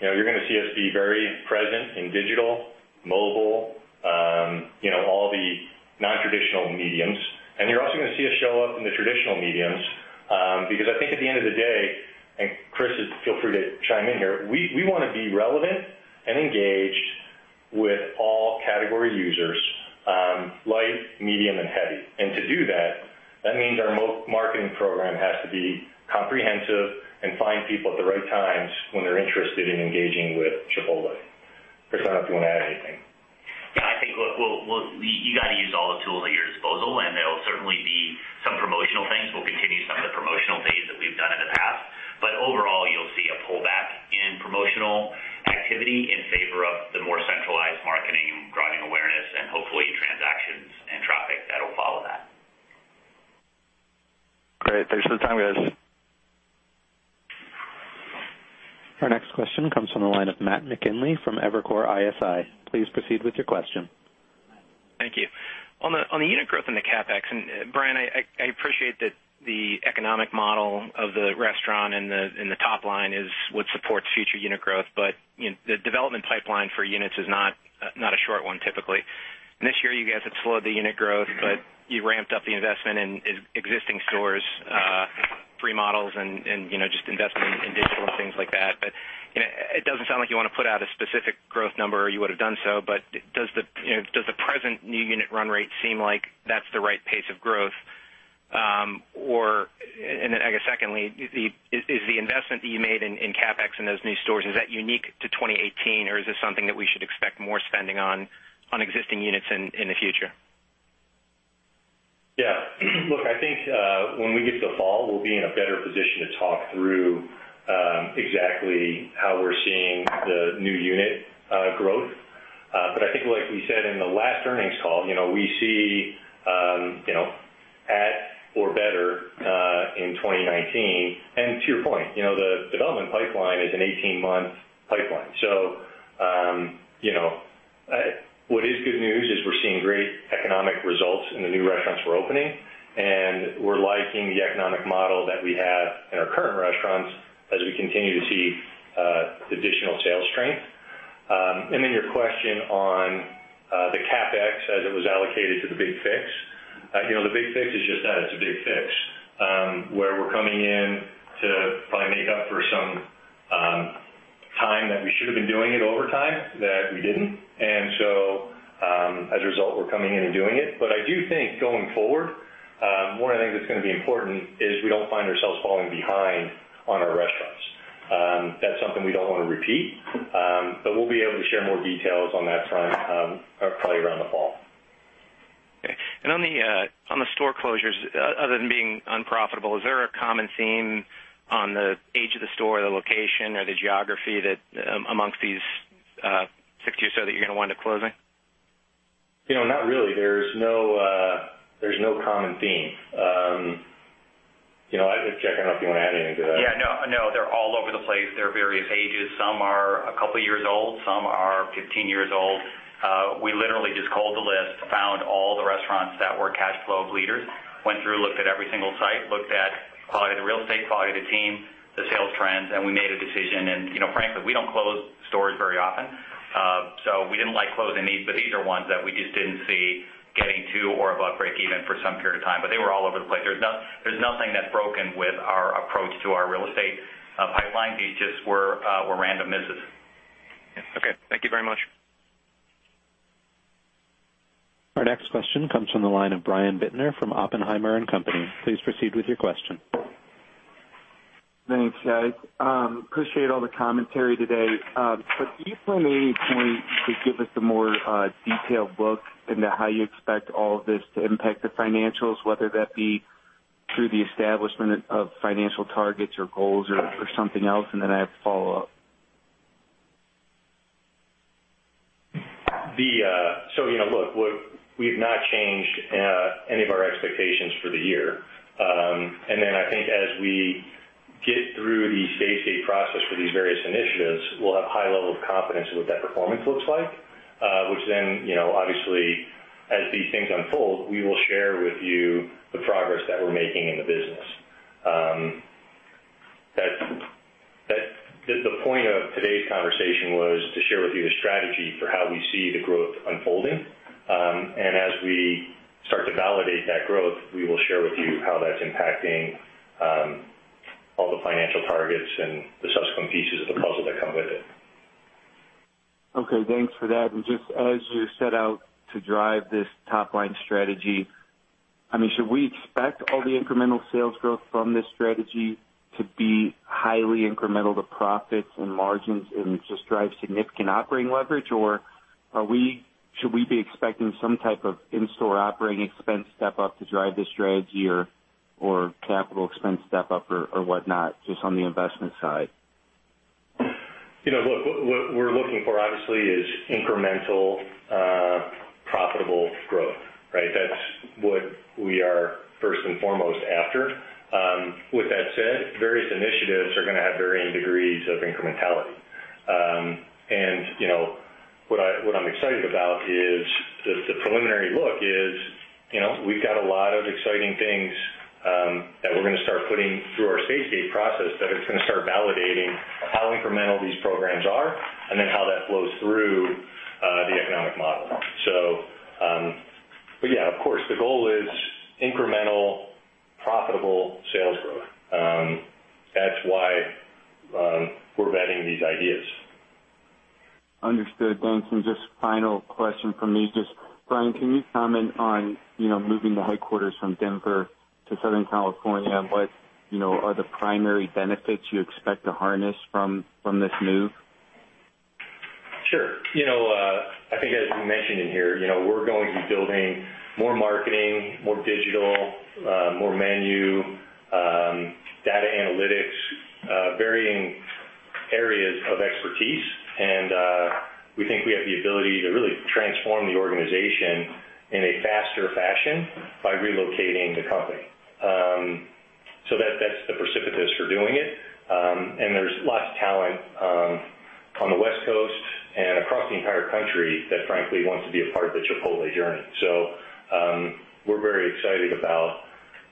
You're going to see us be very present in digital, mobile, all the non-traditional mediums. You're also going to see us show up in the traditional mediums because I think at the end of the day, and Chris, feel free to chime in here, we want to be relevant and engaged with all category users, light, medium and heavy. To do that means our marketing program has to be comprehensive and find people at the right times when they're interested in engaging with Chipotle. Chris, I don't know if you want to add anything. Yeah, I think, look, you got to use all the tools at your disposal, there'll certainly be some promotional things. We'll continue some of the promotional things that we've done in the past. Overall, you'll see a pullback in promotional activity in favor of the more centralized marketing, driving awareness and hopefully transactions and traffic that'll follow that. Great. Thanks for the time, guys. Our next question comes from the line of Matt McKinley from Evercore ISI. Please proceed with your question. Thank you. Brian, I appreciate that the economic model of the restaurant and the top line is what supports future unit growth. The development pipeline for units is not a short one typically. This year, you guys have slowed the unit growth, but you ramped up the investment in existing stores, remodels, and just investment in digital and things like that. It doesn't sound like you want to put out a specific growth number, or you would have done so. Does the present new unit run rate seem like that's the right pace of growth? I guess secondly, is the investment that you made in CapEx in those new stores, is that unique to 2018, or is this something that we should expect more spending on existing units in the future? Look, I think when we get to fall, we'll be in a better position to talk through exactly how we're seeing the new unit growth. I think, like we said in the last earnings call, we see at or better in 2019. To your point, the development pipeline is an 18-month pipeline. What is good news is we're seeing great economic results in the new restaurants we're opening, and we're liking the economic model that we have in our current restaurants as we continue to see additional sales strength. Your question on the CapEx as it was allocated to the Big Fix. The Big Fix is just that, it's a Big Fix, where we're coming in to probably make up for some time that we should have been doing it over time that we didn't. As a result, we're coming in and doing it. I do think going forward, one of the things that's going to be important is we don't find ourselves falling behind on our restaurants. That's something we don't want to repeat. We'll be able to share more details on that front probably around the fall. On the store closures, other than being unprofitable, is there a common theme on the age of the store, the location or the geography that amongst these 60 or so that you're going to wind up closing? Not really. There's no common theme. I don't know if, Jack, I don't know if you want to add anything to that. Yeah, no. They're all over the place. They're various ages. Some are a couple years old. Some are 15 years old. We literally just culled the list That were cash flow of leaders. Went through, looked at every single site, looked at quality of the real estate, quality of the team, the sales trends, and we made a decision. Frankly, we don't close stores very often. We didn't like closing these, but these are ones that we just didn't see getting to or above breakeven for some period of time. They were all over the place. There's nothing that's broken with our approach to our real estate pipeline. These just were random misses. Okay. Thank you very much. Our next question comes from the line of Brian Bittner from Oppenheimer and Company. Please proceed with your question. Thanks, guys. Appreciate all the commentary today. Do you plan at any point to give us a more detailed look into how you expect all of this to impact the financials, whether that be through the establishment of financial targets or goals or something else? I have a follow-up. Look, we've not changed any of our expectations for the year. I think as we get through the stage gate process for these various initiatives, we'll have high level of confidence in what that performance looks like, which then, obviously as these things unfold, we will share with you the progress that we're making in the business. The point of today's conversation was to share with you the strategy for how we see the growth unfolding. As we start to validate that growth, we will share with you how that's impacting all the financial targets and the subsequent pieces of the puzzle that come with it. Okay, thanks for that. Just as you set out to drive this top-line strategy, should we expect all the incremental sales growth from this strategy to be highly incremental to profits and margins and just drive significant operating leverage? Or should we be expecting some type of in-store operating expense step up to drive this strategy or capital expense step up or whatnot, just on the investment side? Look, what we're looking for obviously is incremental profitable growth, right? That's what we are first and foremost after. With that said, various initiatives are going to have varying degrees of incrementality. What I'm excited about is, the preliminary look is, we've got a lot of exciting things that we're going to start putting through our stage gate process that is going to start validating how incremental these programs are and then how that flows through the economic model. Yeah, of course, the goal is incremental profitable sales growth. That's why we're vetting these ideas. Understood. Thanks. Just final question from me, just Brian, can you comment on moving the headquarters from Denver to Southern California? What are the primary benefits you expect to harness from this move? Sure. I think as we mentioned in here, we're going to be building more marketing, more digital, more menu, data analytics, varying areas of expertise, and we think we have the ability to really transform the organization in a faster fashion by relocating the company. That's the impetus for doing it. There's lots of talent on the West Coast and across the entire country that frankly wants to be a part of the Chipotle journey. We're very excited about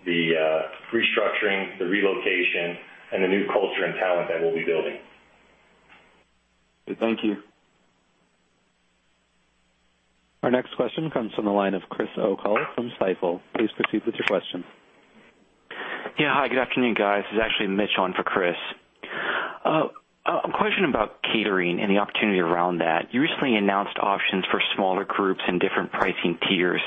the restructuring, the relocation, and the new culture and talent that we'll be building. Thank you. Our next question comes from the line of Chris O'Cull from Stifel. Please proceed with your question. Yeah. Hi, good afternoon, guys. This is actually Mitch on for Chris. A question about catering and the opportunity around that. You recently announced options for smaller groups and different pricing tiers.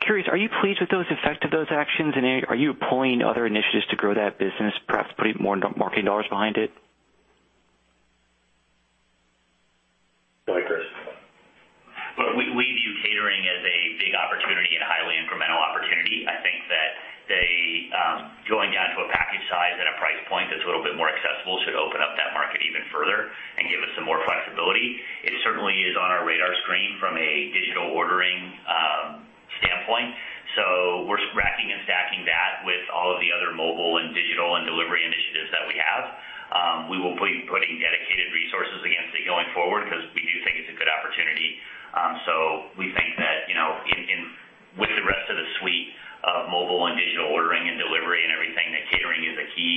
Curious, are you pleased with those effects of those actions, and are you employing other initiatives to grow that business, perhaps putting more marketing dollars behind it? Go ahead, Chris. We view catering as a big opportunity and a highly incremental opportunity. I think that going down to a package size and a price point that's a little bit more accessible should open up that market even further and give us some more flexibility. It certainly is on our radar screen from a digital ordering standpoint. We're racking and stacking that with all of the other mobile and digital and delivery initiatives that we have. We will be putting dedicated resources against it going forward because we do think it's a good opportunity. We think that with the rest of the suite of mobile and digital ordering and delivery and everything, that catering is a key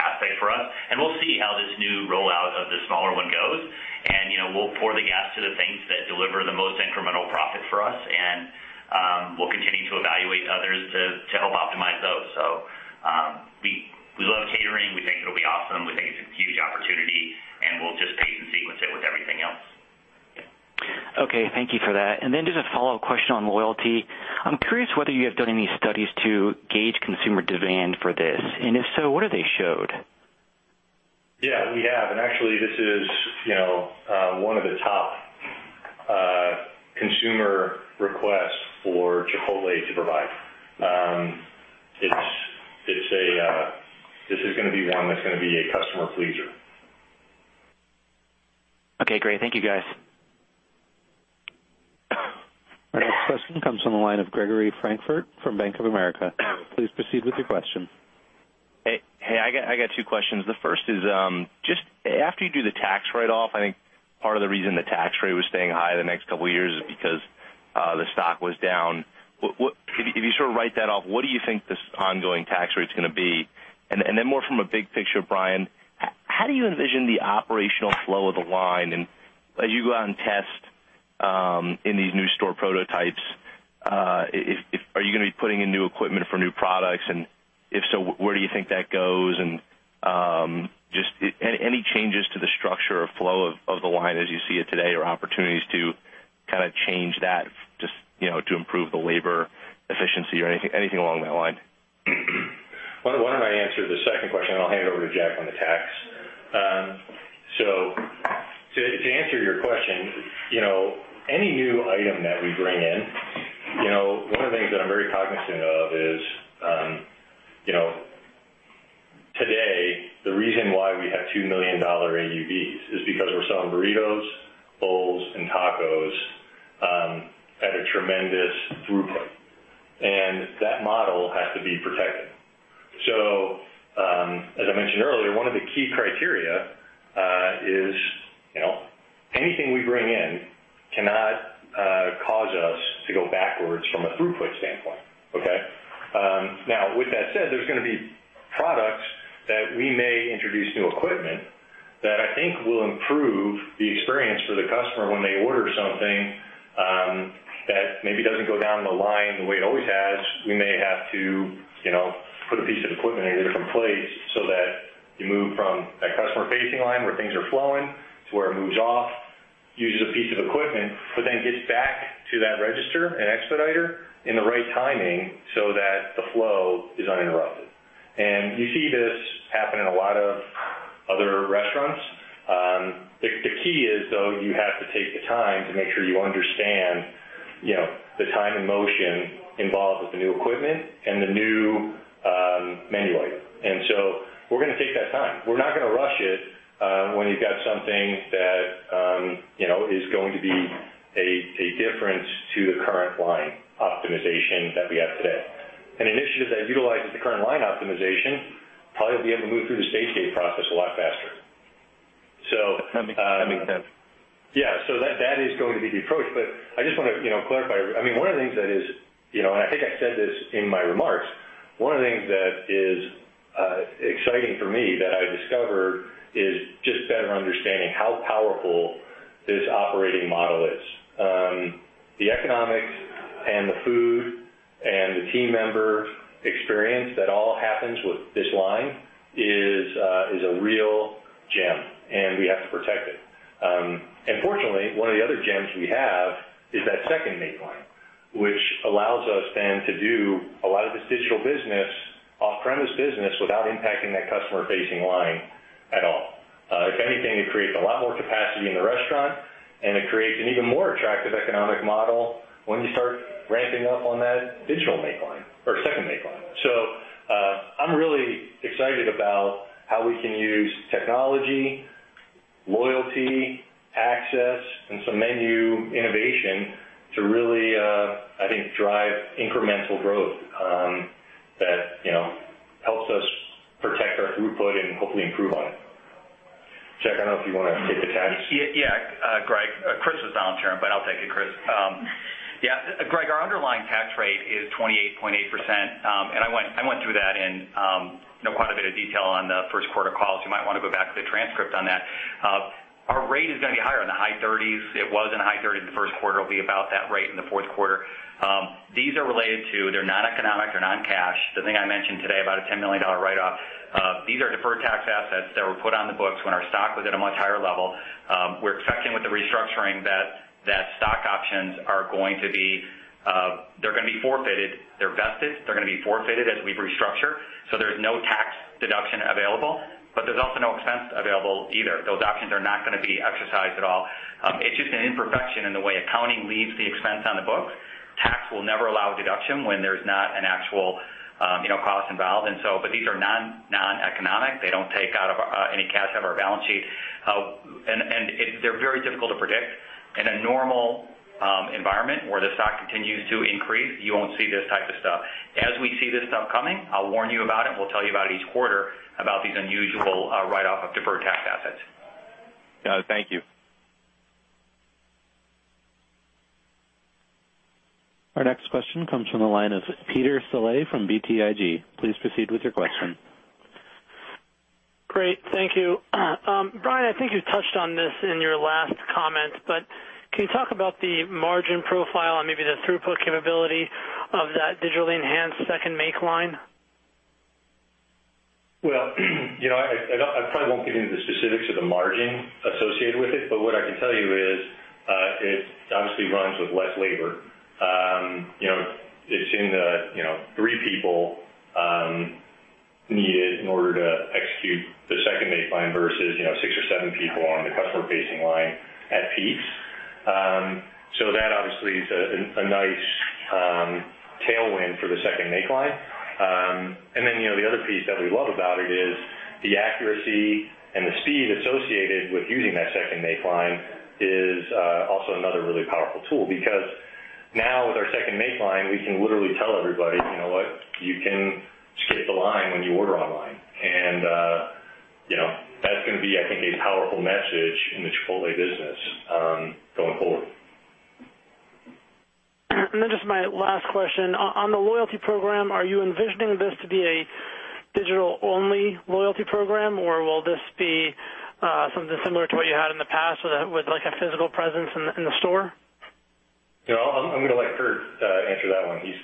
aspect for us. We'll see how this new rollout of the smaller one goes. We'll pour the gas to the things that deliver the most incremental profit for us, and we'll continue to evaluate others to help optimize those. We love catering. We think it'll be awesome. We think it's a huge opportunity, and we'll just pace and sequence it with everything else. Okay. Thank you for that. Just a follow-up question on loyalty. I'm curious whether you have done any studies to gauge consumer demand for this, and if so, what have they showed? Yeah, we have, and actually this is one of the top consumer requests for Chipotle to provide. This is going to be one that's going to be a customer pleaser. Okay, great. Thank you, guys. Our next question comes from the line of Gregory Francfort from Bank of America. Please proceed with your question. Hey, I got two questions. The first is, just after you do the tax write-off, I think part of the reason the tax rate was staying high the next couple of years is because the stock was down. If you sort of write that off, what do you think this ongoing tax rate's going to be? More from a big picture, Brian, how do you envision the operational flow of the line? As you go out and test in these new store prototypes, are you going to be putting in new equipment for new products? If so, where do you think that goes? Just any changes to the structure or flow of the line as you see it today or opportunities to kind of change that just to improve the labor efficiency or anything along that line? Why don't I answer the second question, I'll hand it over to Jack on the tax. To answer your question, any new item that we bring in, one of the things that I'm very cognizant of is, today, the reason why we have $2 million AUVs is because we're selling burritos, bowls, and tacos at a tremendous throughput, that model has to be protected. As I mentioned earlier, one of the key criteria is anything we bring in cannot cause us to go backwards from a throughput standpoint. Okay? Now with that said, there's going to be products that we may introduce new equipment that I think will improve the experience for the customer when they order something that maybe doesn't go down the line the way it always has. We may have to put a piece of equipment in a different place so that you move from that customer-facing line where things are flowing to where it moves off, uses a piece of equipment, but then gets back to that register and expediter in the right timing so that the flow is uninterrupted. You see this happen in a lot of other restaurants. The key is, though, you have to take the time to make sure you understand the time and motion involved with the new equipment and the new menu item. We're going to take that time. We're not going to rush it when you've got something that is going to be a difference to the current line optimization that we have today. An initiative that utilizes the current line optimization probably will be able to move through the stage gate process a lot faster. That makes sense. Yeah. That is going to be the approach. I just want to clarify, one of the things that is, and I think I said this in my remarks, one of the things that is exciting for me that I discovered is just better understanding how powerful this operating model is. The economics and the food and the team member experience that all happens with this line is a real gem, and we have to protect it. Fortunately, one of the other gems we have is that second make line, which allows us then to do a lot of this digital business, off-premise business, without impacting that customer-facing line at all. If anything, it creates a lot more capacity in the restaurant, and it creates an even more attractive economic model when you start ramping up on that digital make line or second make line. I'm really excited about how we can use technology, loyalty, access, and some menu innovation to really, I think, drive incremental growth that helps us protect our throughput and hopefully improve on it. Jack, I don't know if you want to take the tax? Greg, Chris was down here, but I'll take it, Chris. Greg, our underlying tax rate is 28.8%, and I went through that in quite a bit of detail on the first quarter call, so you might want to go back to the transcript on that. Our rate is going to be higher, in the high 30s. It was in the high 30s in the first quarter, it'll be about that rate in the fourth quarter. They're noneconomic, they're non-cash. The thing I mentioned today, about a $10 million write-off. These are deferred tax assets that were put on the books when our stock was at a much higher level. We're expecting with the restructuring that stock options are going to be forfeited. They're vested. They're going to be forfeited as we restructure. There's no tax deduction available, but there's also no expense available either. Those options are not going to be exercised at all. It's just an imperfection in the way accounting leaves the expense on the books. Tax will never allow a deduction when there's not an actual cost involved. These are noneconomic. They don't take out of any cash out of our balance sheet. They're very difficult to predict. In a normal environment where the stock continues to increase, you won't see this type of stuff. As we see this stuff coming, I'll warn you about it, and we'll tell you about it each quarter about these unusual write-offs of deferred tax assets. Got it. Thank you. Our next question comes from the line of Peter Saleh from BTIG. Please proceed with your question. Great. Thank you. Brian, I think you touched on this in your last comments, can you talk about the margin profile and maybe the throughput capability of that digitally enhanced second make line? Well, I probably won't get into the specifics of the margin associated with it, but what I can tell you is it obviously runs with less labor. It's in the three people needed in order to execute the second make line versus six or seven people on the customer-facing line at peak. That obviously is a nice tailwind for the second make line. The other piece that we love about it is the accuracy and the speed associated with using that second make line is also another really powerful tool because Now with our second make line, we can literally tell everybody, "You know what? You can skip the line when you order online." That's going to be, I think, a powerful message in the Chipotle business going forward. Just my last question. On the loyalty program, are you envisioning this to be a digital-only loyalty program, or will this be something similar to what you had in the past with a physical presence in the store? I'm going to let Curt answer that one. He's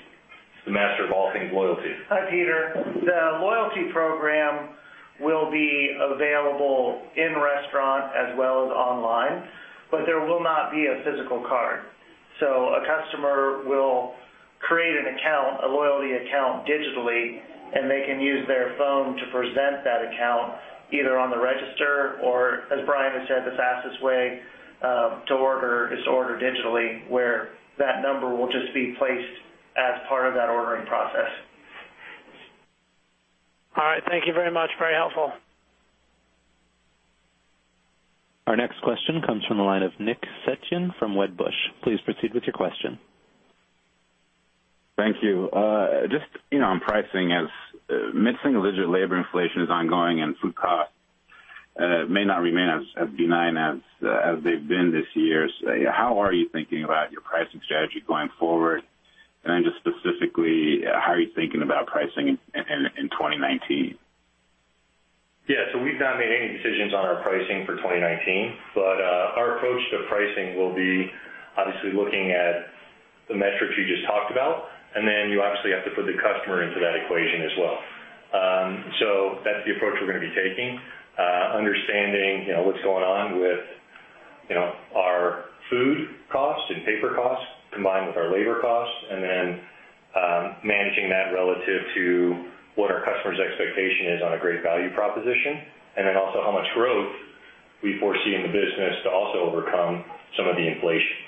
the master of all things loyalty. Hi, Peter. The loyalty program will be available in-restaurant as well as online, but there will not be a physical card. A customer will create an account, a loyalty account digitally, and they can use their phone to present that account either on the register or, as Brian has said, the fastest way to order is to order digitally, where that number will just be placed as part of that ordering process. All right. Thank you very much. Very helpful. Our next question comes from the line of Nick Setyan from Wedbush. Please proceed with your question. Thank you. Just on pricing, as mid-single-digit labor inflation is ongoing and food costs may not remain as benign as they've been this year, how are you thinking about your pricing strategy going forward? Just specifically, how are you thinking about pricing in 2019? Yeah. We've not made any decisions on our pricing for 2019. Our approach to pricing will be obviously looking at the metrics you just talked about, and then you obviously have to put the customer into that equation as well. That's the approach we're going to be taking, understanding what's going on with our food costs and paper costs combined with our labor costs, and then managing that relative to what our customer's expectation is on a great value proposition, and then also how much growth we foresee in the business to also overcome some of the inflation.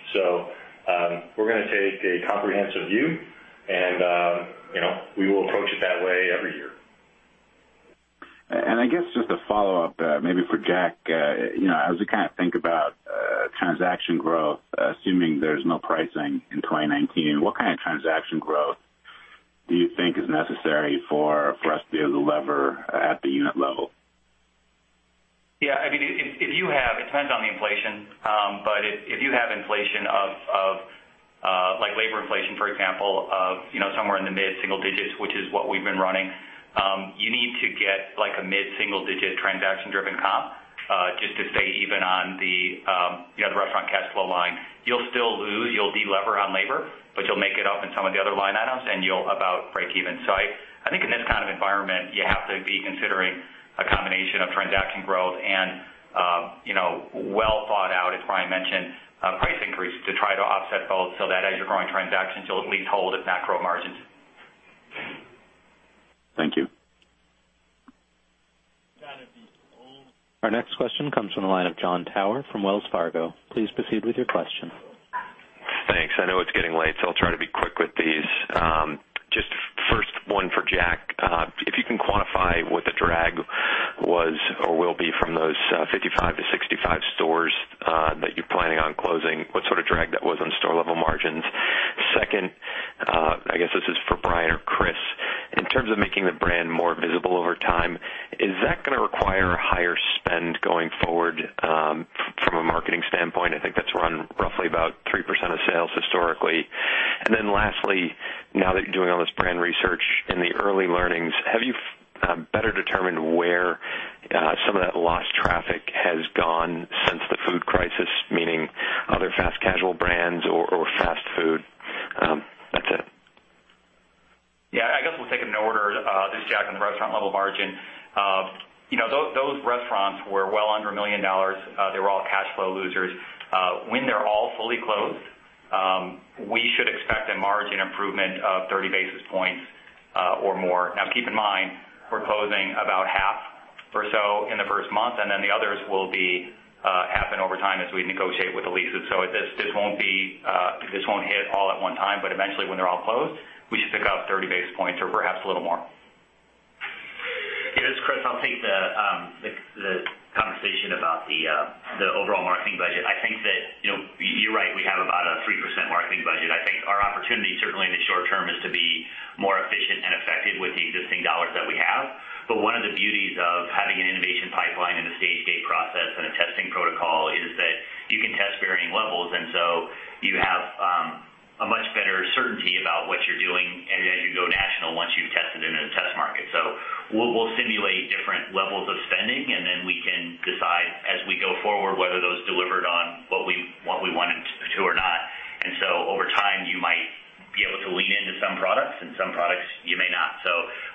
We're going to take a comprehensive view and we will approach it that way every year. I guess just a follow-up, maybe for Jack. As we think about transaction growth, assuming there's no pricing in 2019, what kind of transaction growth do you think is necessary for us to be able to lever at the unit level? Yeah. It depends on the inflation. If you have inflation of labor inflation, for example, somewhere in the mid-single digits, which is what we've been running, you need to get a mid-single-digit transaction-driven comp, just to stay even on the restaurant cash flow line. You'll still lose, you'll delever on labor, you'll make it up in some of the other line items, and you'll about break even. I think in this kind of environment, you have to be considering a combination of transaction growth and well-thought-out, as Brian mentioned, price increase to try to offset both so that as you're growing transactions, you'll at least hold, if not grow margins. Thank you. Our next question comes from the line of Jon Tower from Wells Fargo. Please proceed with your question. Thanks. I know it's getting late, I'll try to be quick with these. Just first one for Jack. If you can quantify what the drag was or will be from those 55-65 stores that you're planning on closing, what sort of drag that was on store-level margins. Second, I guess this is for Brian or Chris. In terms of making the brand more visible over time, is that going to require a higher spend going forward from a marketing standpoint? I think that's run roughly about 3% of sales historically. Lastly, now that you're doing all this brand research in the early learnings, have you better determined where some of that lost traffic has gone since the food crisis, meaning other fast casual brands or fast food? That's it. I guess we'll take it in order. This is Jack, on the restaurant-level margin. Those restaurants were well under $1 million. They were all cash flow losers. When they're all fully closed, we should expect a margin improvement of 30 basis points or more. Keep in mind, we're closing about half or so in the first month, the others will be half and over time as we negotiate with the leases. This won't hit all at one time, but eventually, when they're all closed, we should pick up 30 basis points or perhaps a little more. This is Chris. I'll take the conversation about the overall marketing budget. I think that you're right, we have about a 3% marketing budget. I think our opportunity, certainly in the short term, is to be more efficient and effective with the existing dollars that we have. One of the beauties of having an innovation pipeline and a stage gate process and a testing protocol is that you can test varying levels. You have a much better certainty about what you're doing as you go national once you've tested it in a test market. We'll simulate different levels of spending, we can decide as we go forward whether those delivered on what we wanted to or not. Over time, you might be able to lean into some products, and some products you may not.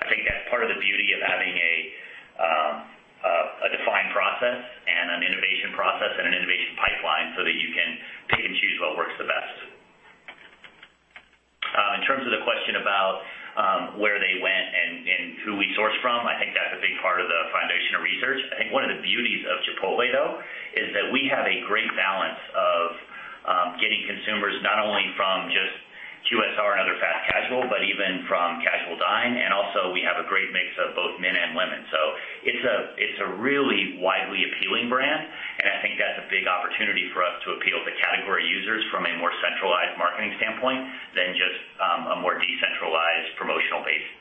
I think that's part of the beauty of having a defined process and an innovation process and an innovation pipeline so that you can pick and choose what works the best. In terms of the question about where they went and who we source from, I think that's a big part of the foundation of research. I think one of the beauties of Chipotle, though, is that we have a great balance of getting consumers not only from just QSR and other fast casual, but even from casual dine, and also we have a great mix of both men and women. It's a really widely appealing brand, and I think that's a big opportunity for us to appeal to category users from a more centralized marketing standpoint than just a more decentralized promotional-based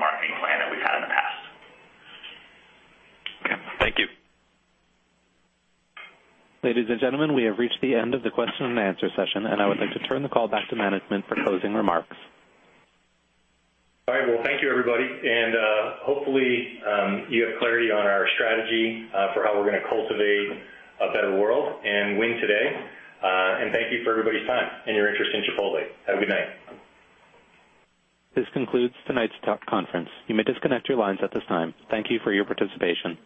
marketing plan that we've had in the past. Okay. Thank you. Ladies and gentlemen, we have reached the end of the question and answer session, and I would like to turn the call back to management for closing remarks. All right. Well, thank you, everybody. Hopefully, you have clarity on our strategy for how we're going to cultivate a better world and win today. Thank you for everybody's time and your interest in Chipotle. Have a good night. This concludes tonight's conference. You may disconnect your lines at this time. Thank you for your participation.